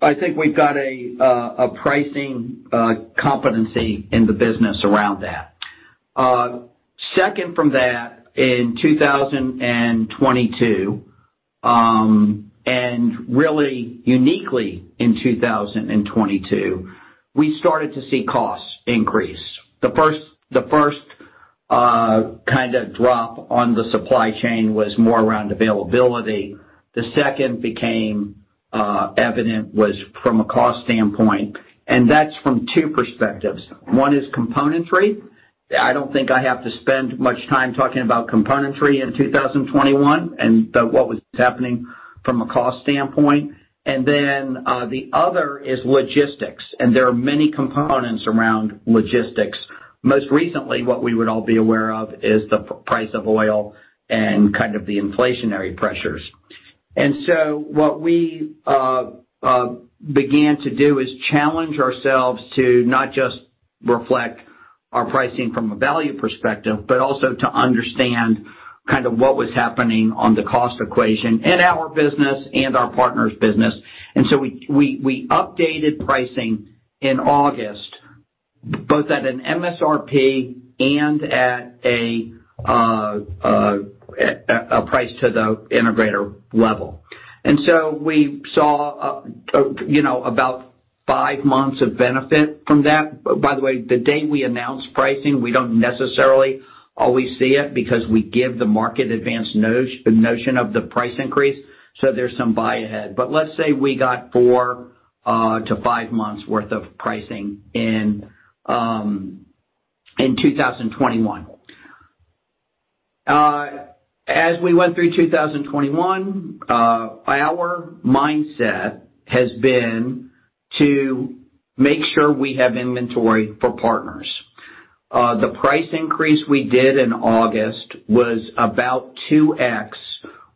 I think we've got a pricing competency in the business around that. Second from that, in 2022, and really uniquely in 2022, we started to see costs increase. The first kind of drop on the supply chain was more around availability. The second became evident was from a cost standpoint, and that's from two perspectives. One is componentry. I don't think I have to spend much time talking about componentry in 2021 and what was happening from a cost standpoint. Then, the other is logistics, and there are many components around logistics. Most recently, what we would all be aware of is the price of oil and kind of the inflationary pressures. What we began to do is challenge ourselves to not just reflect our pricing from a value perspective, but also to understand kind of what was happening on the cost equation in our business and our partner's business. We updated pricing in August, both at an MSRP and at a price to the integrator level. We saw you know, about five months of benefit from that. By the way, the day we announce pricing, we don't necessarily always see it because we give the market advanced notion of the price increase, so there's some buy ahead. Let's say we got four-five months worth of pricing in 2021. As we went through 2021, our mindset has been to make sure we have inventory for partners. The price increase we did in August was about 2x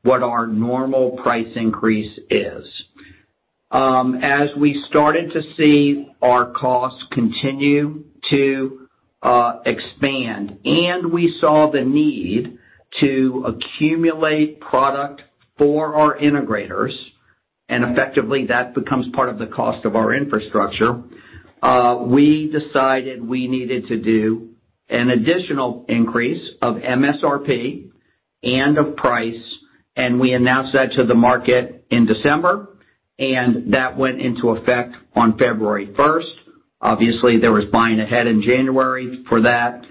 what our normal price increase is. As we started to see our costs continue to expand and we saw the need to accumulate product for our integrators, and effectively that becomes part of the cost of our infrastructure, we decided we needed to do an additional increase of MSRP and of price, and we announced that to the market in December, and that went into effect on February 1st. Obviously, there was buying ahead in January for that,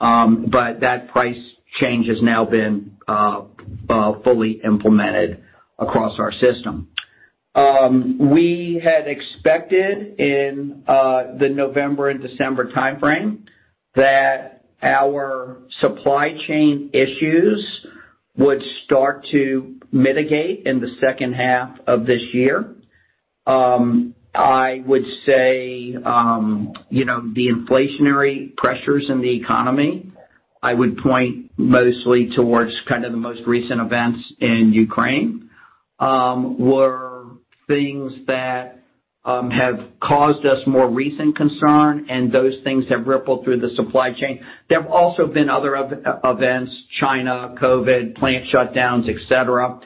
but that price change has now been fully implemented across our system. We had expected in the November and December timeframe that our supply chain issues would start to mitigate in the second half of this year. I would say, you know, the inflationary pressures in the economy, I would point mostly towards kind of the most recent events in Ukraine, were things that have caused us more recent concern, and those things have rippled through the supply chain. There have also been other events, China, COVID, plant shutdowns, et cetera.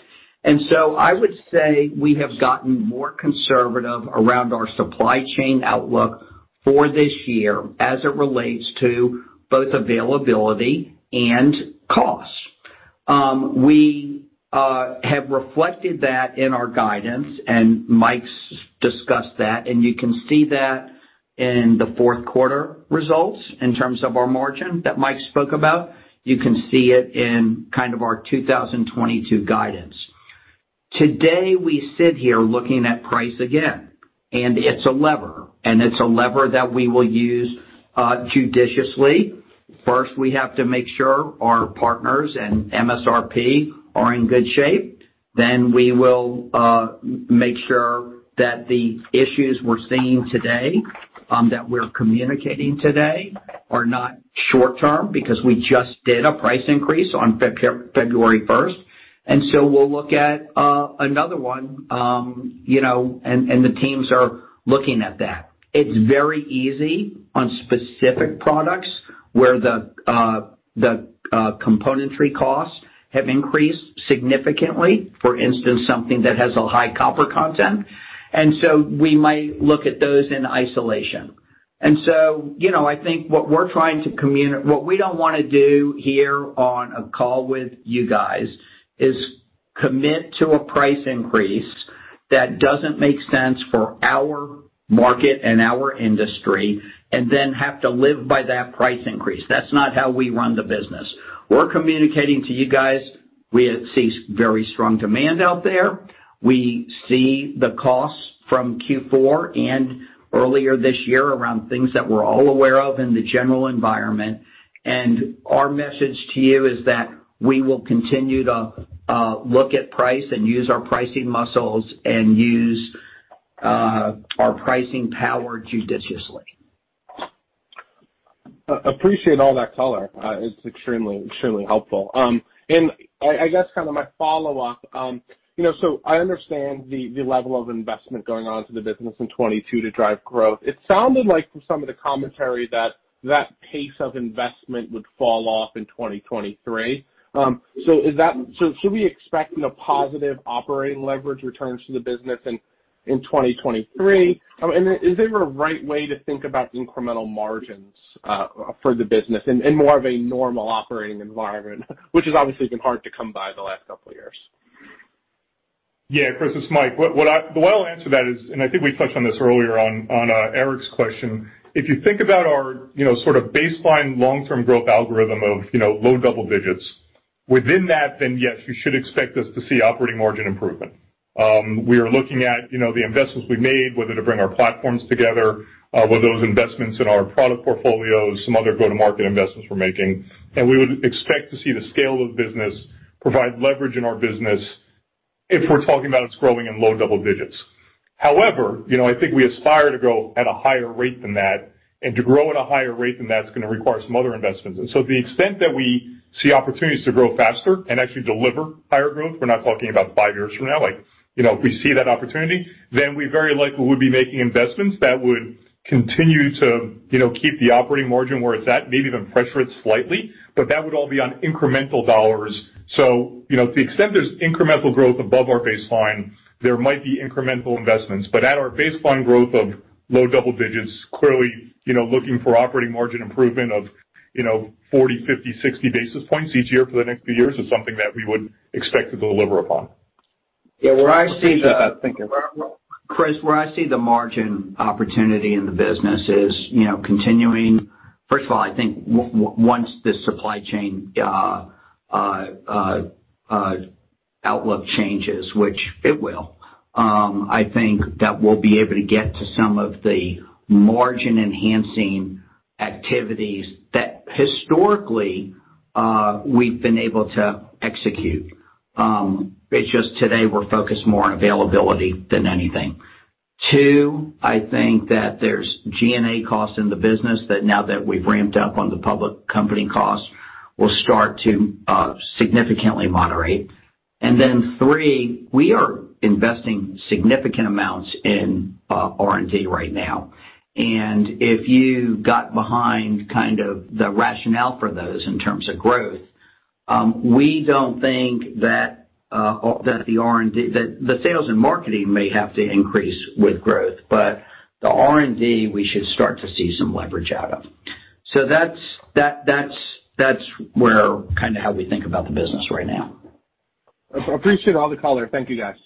I would say we have gotten more conservative around our supply chain outlook for this year as it relates to both availability and cost. We have reflected that in our guidance, and Mike's discussed that, and you can see that in the fourth quarter results in terms of our margin that Mike spoke about. You can see it in kind of our 2022 guidance. Today, we sit here looking at price again, and it's a lever, and it's a lever that we will use judiciously. First, we have to make sure our partners and MSRP are in good shape. We will make sure that the issues we're seeing today that we're communicating today are not short-term because we just did a price increase on February 1st. We'll look at another one, you know, the teams are looking at that. It's very easy on specific products where the componentry costs have increased significantly. For instance, something that has a high copper content. You know, I think what we don't wanna do here on a call with you guys is commit to a price increase that doesn't make sense for our market and our industry, and then have to live by that price increase. That's not how we run the business. We're communicating to you guys, we see very strong demand out there. We see the costs from Q4 and earlier this year around things that we're all aware of in the general environment. Our message to you is that we will continue to look at price and use our pricing muscles and use our pricing power judiciously. Appreciate all that color. It's extremely helpful. I guess kinda my follow-up, you know, so I understand the level of investment going on to the business in 2022 to drive growth. It sounded like from some of the commentary that pace of investment would fall off in 2023. Should we expect the positive operating leverage returns to the business in 2023? Is there a right way to think about incremental margins for the business in more of a normal operating environment, which has obviously been hard to come by the last couple of years? Yeah, Chris, it's Mike. The way I'll answer that is, I think we touched on this earlier, on Erik's question. If you think about our, you know, sort of baseline long-term growth algorithm of, you know, low double digits, within that, then yes, you should expect us to see operating margin improvement. We are looking at, you know, the investments we've made, whether to bring our platforms together, whether those investments in our product portfolios, some other go-to-market investments we're making. We would expect to see the scale of the business provide leverage in our business if we're talking about us growing in low double digits. However, you know, I think we aspire to grow at a higher rate than that, and to grow at a higher rate than that is gonna require some other investments. To the extent that we see opportunities to grow faster and actually deliver higher growth, we're not talking about five years from now, like, you know, if we see that opportunity, then we very likely would be making investments that would continue to, you know, keep the operating margin where it's at, maybe even pressure it slightly, but that would all be on incremental dollars. You know, to the extent there's incremental growth above our baseline, there might be incremental investments. At our baseline growth of low double digits, clearly, you know, looking for operating margin improvement of, you know, 40, 50, 60 basis points each year for the next few years is something that we would expect to deliver upon. Yeah, where I see the- Thank you. Chris, where I see the margin opportunity in the business is, you know, continuing. First of all, I think once this supply chain outlook changes, which it will, I think that we'll be able to get to some of the margin-enhancing activities that historically we've been able to execute. It's just today we're focused more on availability than anything. Two, I think that there's G&A costs in the business that now that we've ramped up on the public company costs, will start to significantly moderate. Three, we are investing significant amounts in R&D right now. If you got behind kind of the rationale for those in terms of growth, we don't think that the R&D. That the sales and marketing may have to increase with growth, but the R&D, we should start to see some leverage out of. That's where kinda how we think about the business right now. Appreciate all the color. Thank you, guys.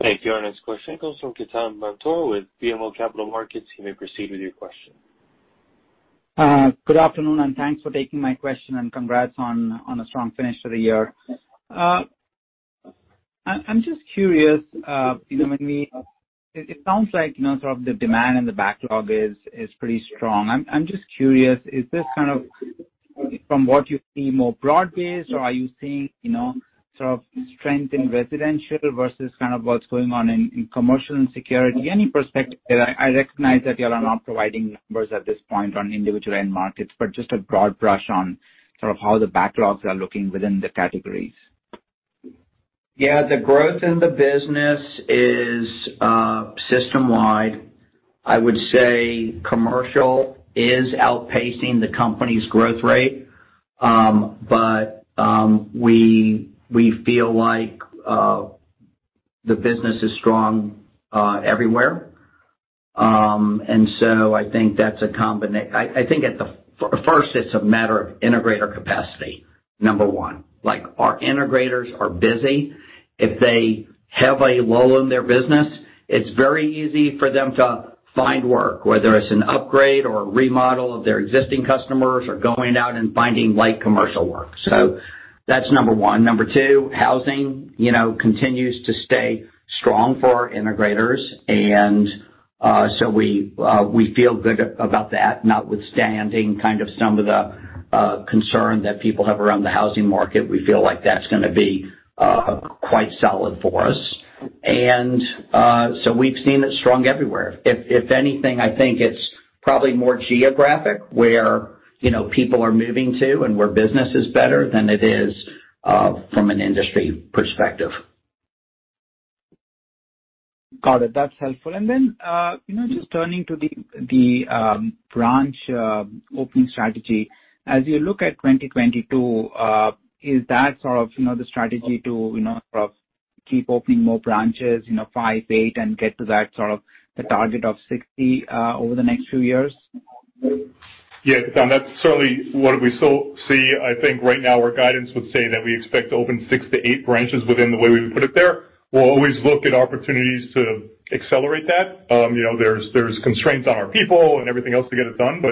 Thank you. Our next question comes from Ketan Mamtora with BMO Capital Markets. You may proceed with your question. Good afternoon, and thanks for taking my question, and congrats on a strong finish to the year. It sounds like, you know, sort of the demand in the backlog is pretty strong. I'm just curious, is this kind of from what you see more broad-based or are you seeing, you know, sort of strength in residential versus kind of what's going on in commercial and security? Any perspective there. I recognize that you all are not providing numbers at this point on individual end markets, but just a broad brush on sort of how the backlogs are looking within the categories. Yeah. The growth in the business is system-wide. I would say commercial is outpacing the company's growth rate. We feel like the business is strong everywhere. First, it's a matter of integrator capacity, number one. Like, our integrators are busy. They're heavily loaded in their business. It's very easy for them to find work, whether it's an upgrade or a remodel of their existing customers or going out and finding light commercial work. So that's number one. Number two, housing, you know, continues to stay strong for our integrators, and so we feel good about that, notwithstanding some of the concern that people have around the housing market. We feel like that's gonna be quite solid for us. We've seen it strong everywhere. If anything, I think it's probably more geographic where, you know, people are moving to and where business is better than it is from an industry perspective. Got it. That's helpful. Just turning to the branch opening strategy. As you look at 2022, is that sort of the strategy to sort of keep opening more branches, you know, five, eight, and get to that sort of the target of 60 over the next few years? Yeah. That's certainly what we still see. I think right now our guidance would say that we expect to open six-eight branches within the way we would put it there. We'll always look at opportunities to accelerate that. You know, there's constraints on our people and everything else to get it done.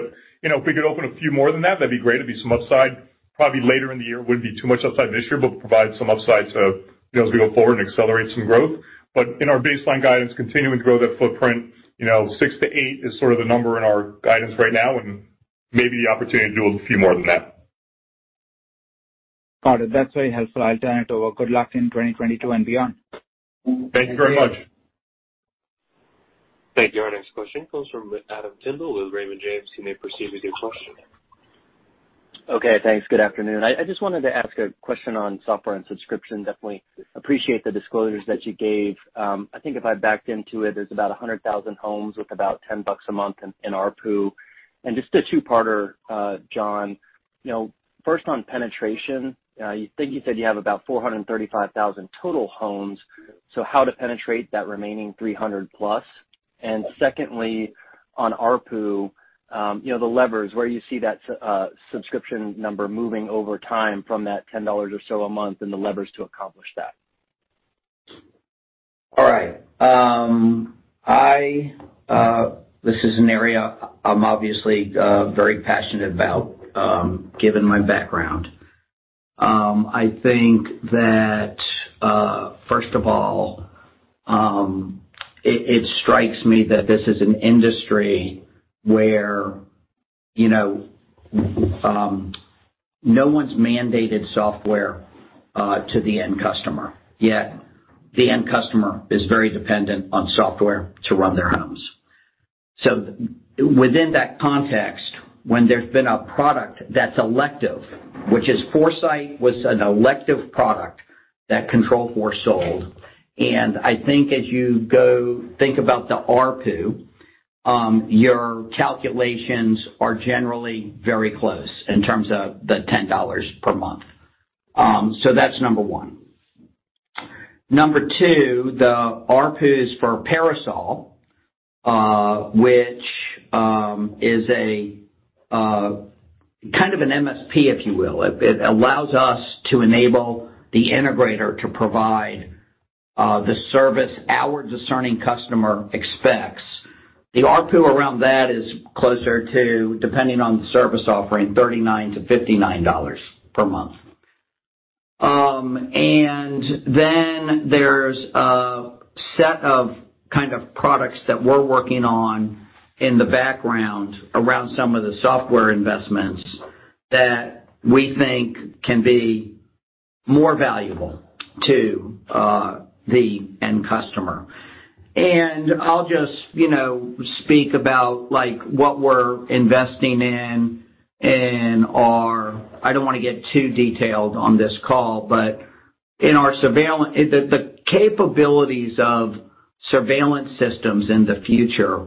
You know, if we could open a few more than that'd be great. It'd be some upside, probably later in the year. Wouldn't be too much upside this year, but provide some upside to, you know, as we go forward and accelerate some growth. In our baseline guidance, continuing to grow that footprint, you know, six-eight is sort of the number in our guidance right now and maybe the opportunity to do a few more than that. Got it. That's very helpful. I'll turn it over. Good luck in 2022 and beyond. Thank you very much. Thank you. Our next question comes from Adam Tindle with Raymond James. You may proceed with your question. Okay. Thanks. Good afternoon. I just wanted to ask a question on software and subscription. Definitely appreciate the disclosures that you gave. I think if I backed into it, there's about 100,000 homes with about $10 a month in ARPU. Just a two-parter, John. You know, first on penetration, you think you said you have about 435,000 total homes, so how to penetrate that remaining 300+. Secondly, on ARPU, you know, the levers, where you see that subscription number moving over time from that $10 or so a month and the levers to accomplish that? All right. I, this is an area I'm obviously very passionate about, given my background. I think that first of all, it strikes me that this is an industry where, you know, no one's mandated software to the end customer, yet the end customer is very dependent on software to run their homes. Within that context, when there's been a product that's elective, which is 4Sight was an elective product that Control4 sold. I think as you go think about the ARPU, your calculations are generally very close in terms of the $10 per month. That's number one. Number two, the ARPUs for Parasol, which is a kind of an MSP, if you will. It allows us to enable the integrator to provide the service our discerning customer expects. The ARPU around that is closer to, depending on the service offering, $39-$59 per month. There's a set of kind of products that we're working on in the background around some of the software investments that we think can be more valuable to the end customer. I'll just speak about what we're investing in. I don't wanna get too detailed on this call, but in our surveillance, the capabilities of surveillance systems in the future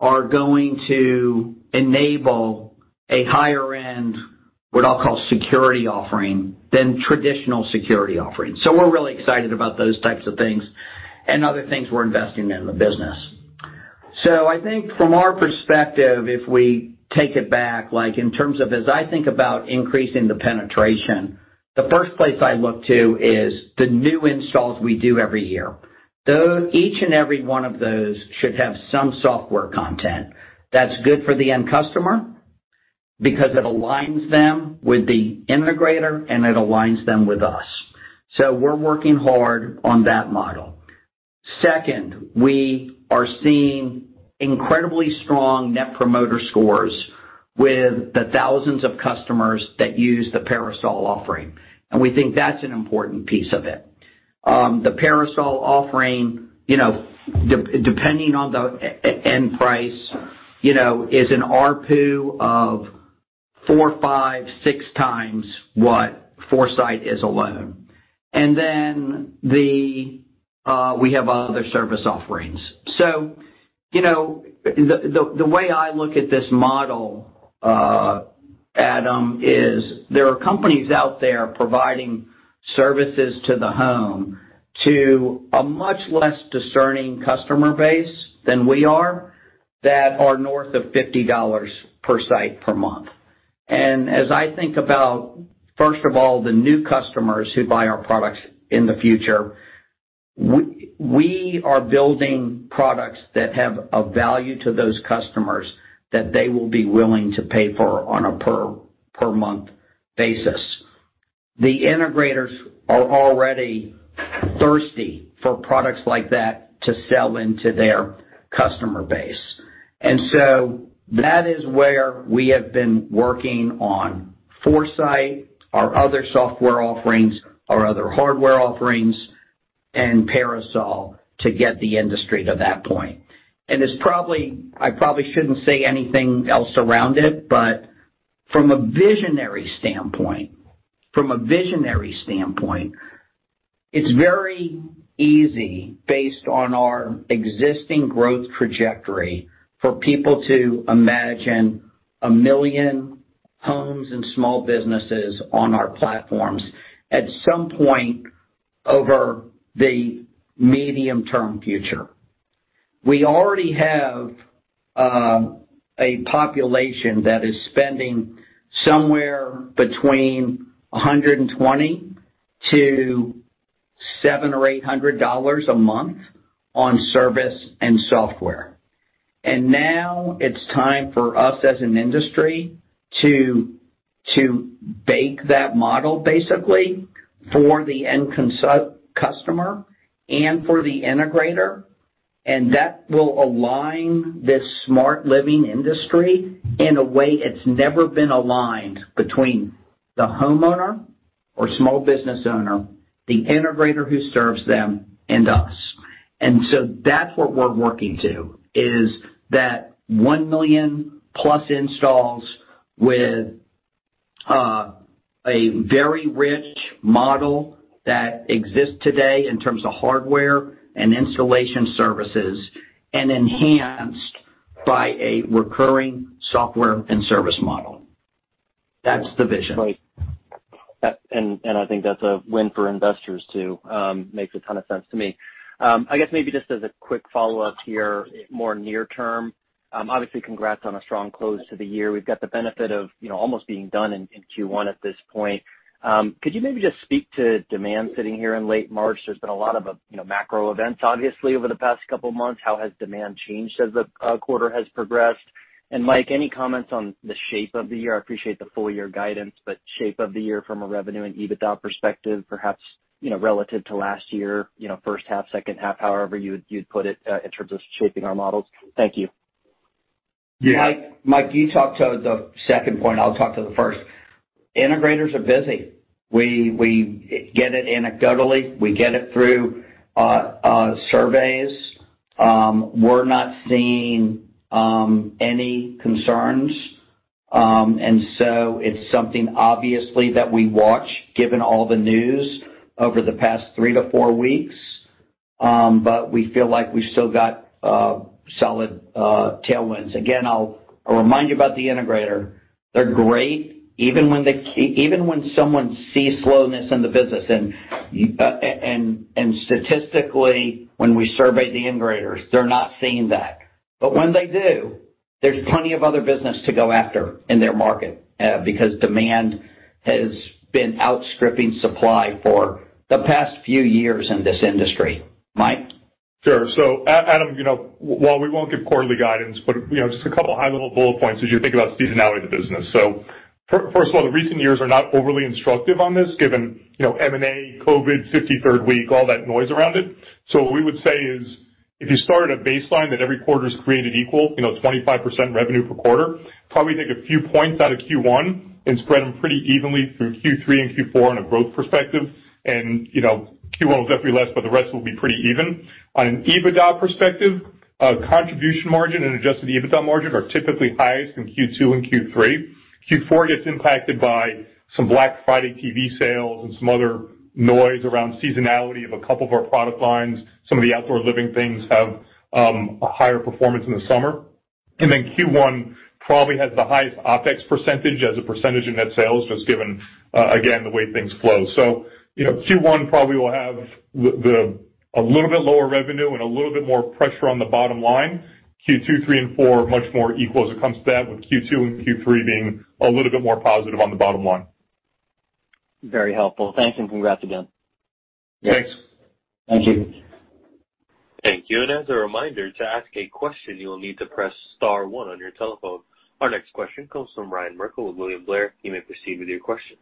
are going to enable a higher end, what I'll call security offering than traditional security offerings. We're really excited about those types of things and other things we're investing in the business. I think from our perspective, if we take it back, like in terms of as I think about increasing the penetration, the first place I look to is the new installs we do every year. Though each and every one of those should have some software content. That's good for the end customer because it aligns them with the integrator and it aligns them with us. We're working hard on that model. Second, we are seeing incredibly strong Net Promoter Score with the thousands of customers that use the Parasol offering, and we think that's an important piece of it. The Parasol offering, you know, depending on the end price, you know, is an ARPU of four, five, six times what 4Sight is alone. Then we have other service offerings. You know, the way I look at this model, Adam, is there are companies out there providing services to the home to a much less discerning customer base than we are that are north of $50 per site per month. As I think about, first of all, the new customers who buy our products in the future, we are building products that have a value to those customers that they will be willing to pay for on a per month basis. The integrators are already thirsty for products like that to sell into their customer base. That is where we have been working on 4Sight, our other software offerings, our other hardware offerings, and Parasol to get the industry to that point. It's probably... I probably shouldn't say anything else around it, but from a visionary standpoint, it's very easy, based on our existing growth trajectory, for people to imagine a million homes and small businesses on our platforms at some point over the medium-term future. We already have a population that is spending somewhere between $120-$700 or $800 a month on service and software. Now it's time for us as an industry to bake that model basically for the end customer and for the integrator, and that will align this smart living industry in a way it's never been aligned between the homeowner or small business owner, the integrator who serves them, and us. That's what we're working to, is that 1 million+ installs with a very rich model that exists today in terms of hardware and installation services, and enhanced by a recurring software and service model. That's the vision. Right. I think that's a win for investors too. Makes a ton of sense to me. I guess maybe just as a quick follow-up here, more near term, obviously congrats on a strong close to the year. We've got the benefit of, you know, almost being done in Q1 at this point. Could you maybe just speak to demand sitting here in late March? There's been a lot of, you know, macro events obviously over the past couple of months. How has demand changed as the quarter has progressed? Mike, any comments on the shape of the year? I appreciate the full year guidance, but shape of the year from a revenue and EBITDA perspective, perhaps, you know, relative to last year, you know, first half, second half, however you'd put it, in terms of shaping our models. Thank you. Mike, you talk to the second point, I'll talk to the first. Integrators are busy. We get it anecdotally, we get it through surveys. We're not seeing any concerns. It's something obviously that we watch given all the news over the past three-four weeks. But we feel like we've still got solid tailwinds. Again, I'll remind you about the integrator. They're great even when someone sees slowness in the business, and statistically, when we survey the integrators, they're not seeing that. But when they do, there's plenty of other business to go after in their market, because demand has been outstripping supply for the past few years in this industry. Mike? Sure. Adam, you know, while we won't give quarterly guidance, but, you know, just a couple of high-level bullet points as you think about seasonality of the business. First of all, the recent years are not overly instructive on this given, you know, M&A, COVID, 53rd week, all that noise around it. What we would say is, if you start at a baseline that every quarter is created equal, you know, 25% revenue per quarter, probably take a few points out of Q1 and spread them pretty evenly through Q3 and Q4 on a growth perspective. You know, Q1 will definitely less, but the rest will be pretty even. On an EBITDA perspective, contribution margin and Adjusted EBITDA margin are typically highest in Q2 and Q3. Q4 gets impacted by some Black Friday TV sales and some other noise around seasonality of a couple of our product lines. Some of the outdoor living things have a higher performance in the summer. Q1 probably has the highest OpEx percentage as a percentage of net sales, just given again, the way things flow. You know, Q1 probably will have the a little bit lower revenue and a little bit more pressure on the bottom line. Q2, Q3, and Q4 are much more equal as it comes to that, with Q2 and Q3 being a little bit more positive on the bottom line. Very helpful. Thanks and congrats again. Thanks. Thank you. Thank you. As a reminder, to ask a question, you will need to press star one on your telephone. Our next question comes from Ryan Merkel with William Blair. You may proceed with your question.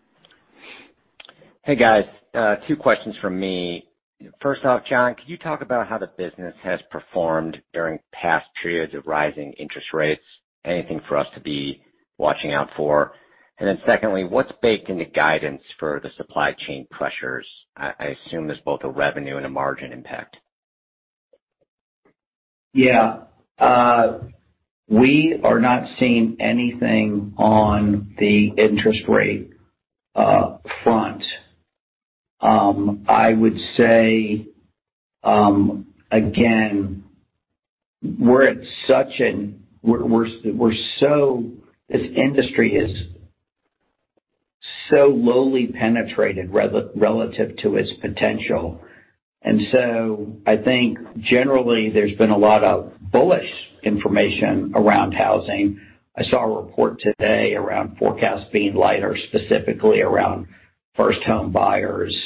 Hey, guys. Two questions from me. First off, John, could you talk about how the business has performed during past periods of rising interest rates? Anything for us to be watching out for? Secondly, what's baked into guidance for the supply chain pressures? I assume there's both a revenue and a margin impact. Yeah. We are not seeing anything on the interest rate front. I would say, again, this industry is so lowly penetrated relative to its potential. I think generally there's been a lot of bullish information around housing. I saw a report today around forecasts being lighter, specifically around first home buyers.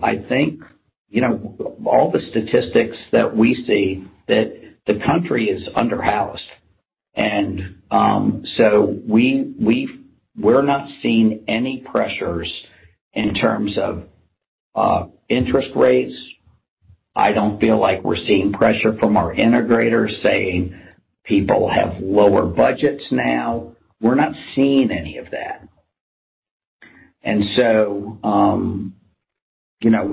I think, you know, all the statistics that we see that the country is underhoused. We're not seeing any pressures in terms of interest rates. I don't feel like we're seeing pressure from our integrators saying people have lower budgets now. We're not seeing any of that. You know,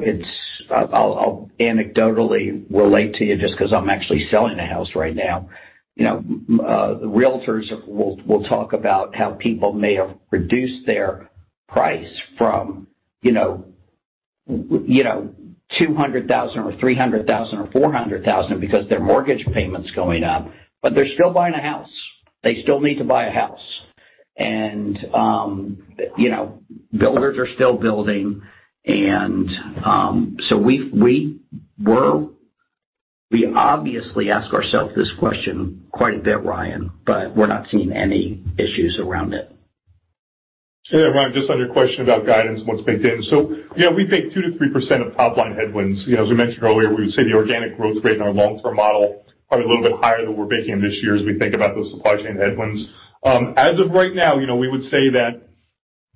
I'll anecdotally relate to you just 'cause I'm actually selling a house right now. You know, realtors will talk about how people may have reduced their price from $200,000 or $300,000 or $400,000 because their mortgage payment's going up, but they're still buying a house. They still need to buy a house. Builders are still building and we obviously ask ourselves this question quite a bit, Ryan, but we're not seeing any issues around it. Yeah, Ryan, just on your question about guidance and what's baked in. You know, we think 2%-3% top-line headwinds. You know, as we mentioned earlier, we would say the organic growth rate in our long-term model are a little bit higher than we're baking this year as we think about those supply chain headwinds. As of right now, you know, we would say that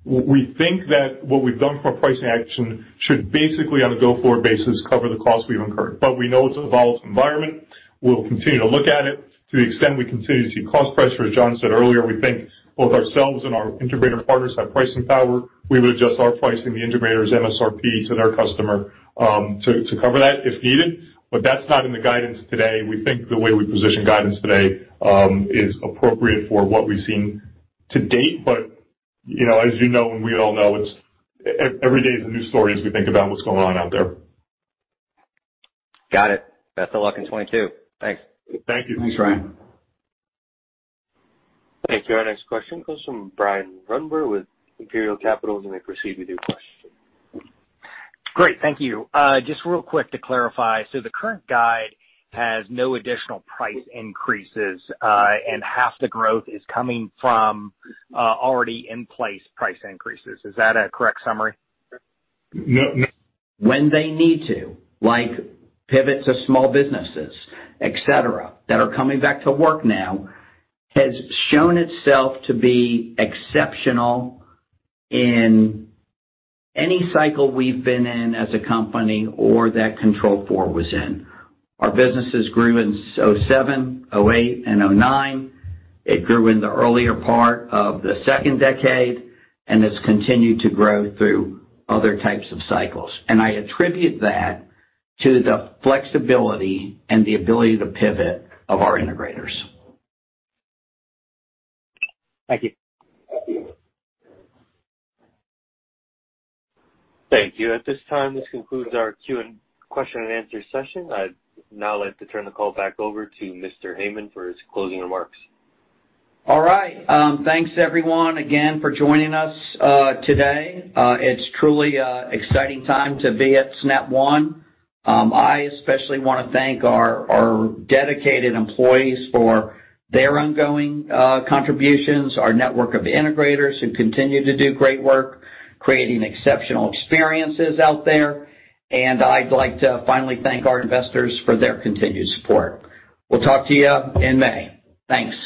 we think that what we've done from a pricing action should basically on a go-forward basis cover the cost we've incurred. We know it's a volatile environment. We'll continue to look at it to the extent we continue to see cost pressure. As John said earlier, we think both ourselves and our integrator partners have pricing power. We would adjust our pricing, the integrators' MSRP to their customer, to cover that if needed, but that's not in the guidance today. We think the way we position guidance today is appropriate for what we've seen to date. You know, as you know and we all know, it's every day is a new story as we think about what's going on out there. Got it. Best of luck in 2022. Thanks. Thank you. Thanks, Ryan. Thank you. Our next question comes from Brian Ruttenbur with Imperial Capital, you may proceed with your question. Great. Thank you. Just real quick to clarify. So the current guide has no additional price increases, and half the growth is coming from already in place price increases. Is that a correct summary? When they need to, like pivots of small businesses, et cetera, that are coming back to work now, has shown itself to be exceptional in any cycle we've been in as a company or that Control4 was in. Our businesses grew in 2007, 2008 and 2009. It grew in the earlier part of the second decade, and it's continued to grow through other types of cycles. I attribute that to the flexibility and the ability to pivot of our integrators. Thank you. Thank you. At this time, this concludes our question and answer session. I'd now like to turn the call back over to Mr. Heyman for his closing remarks. All right. Thanks everyone again for joining us today. It's truly an exciting time to be at Snap One. I especially wanna thank our dedicated employees for their ongoing contributions, our network of integrators who continue to do great work creating exceptional experiences out there. I'd like to finally thank our investors for their continued support. We'll talk to you in May. Thanks.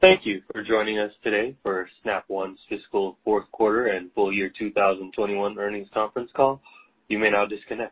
Thank you for joining us today for Snap One's fiscal fourth quarter and full year 2021 earnings conference call. You may now disconnect.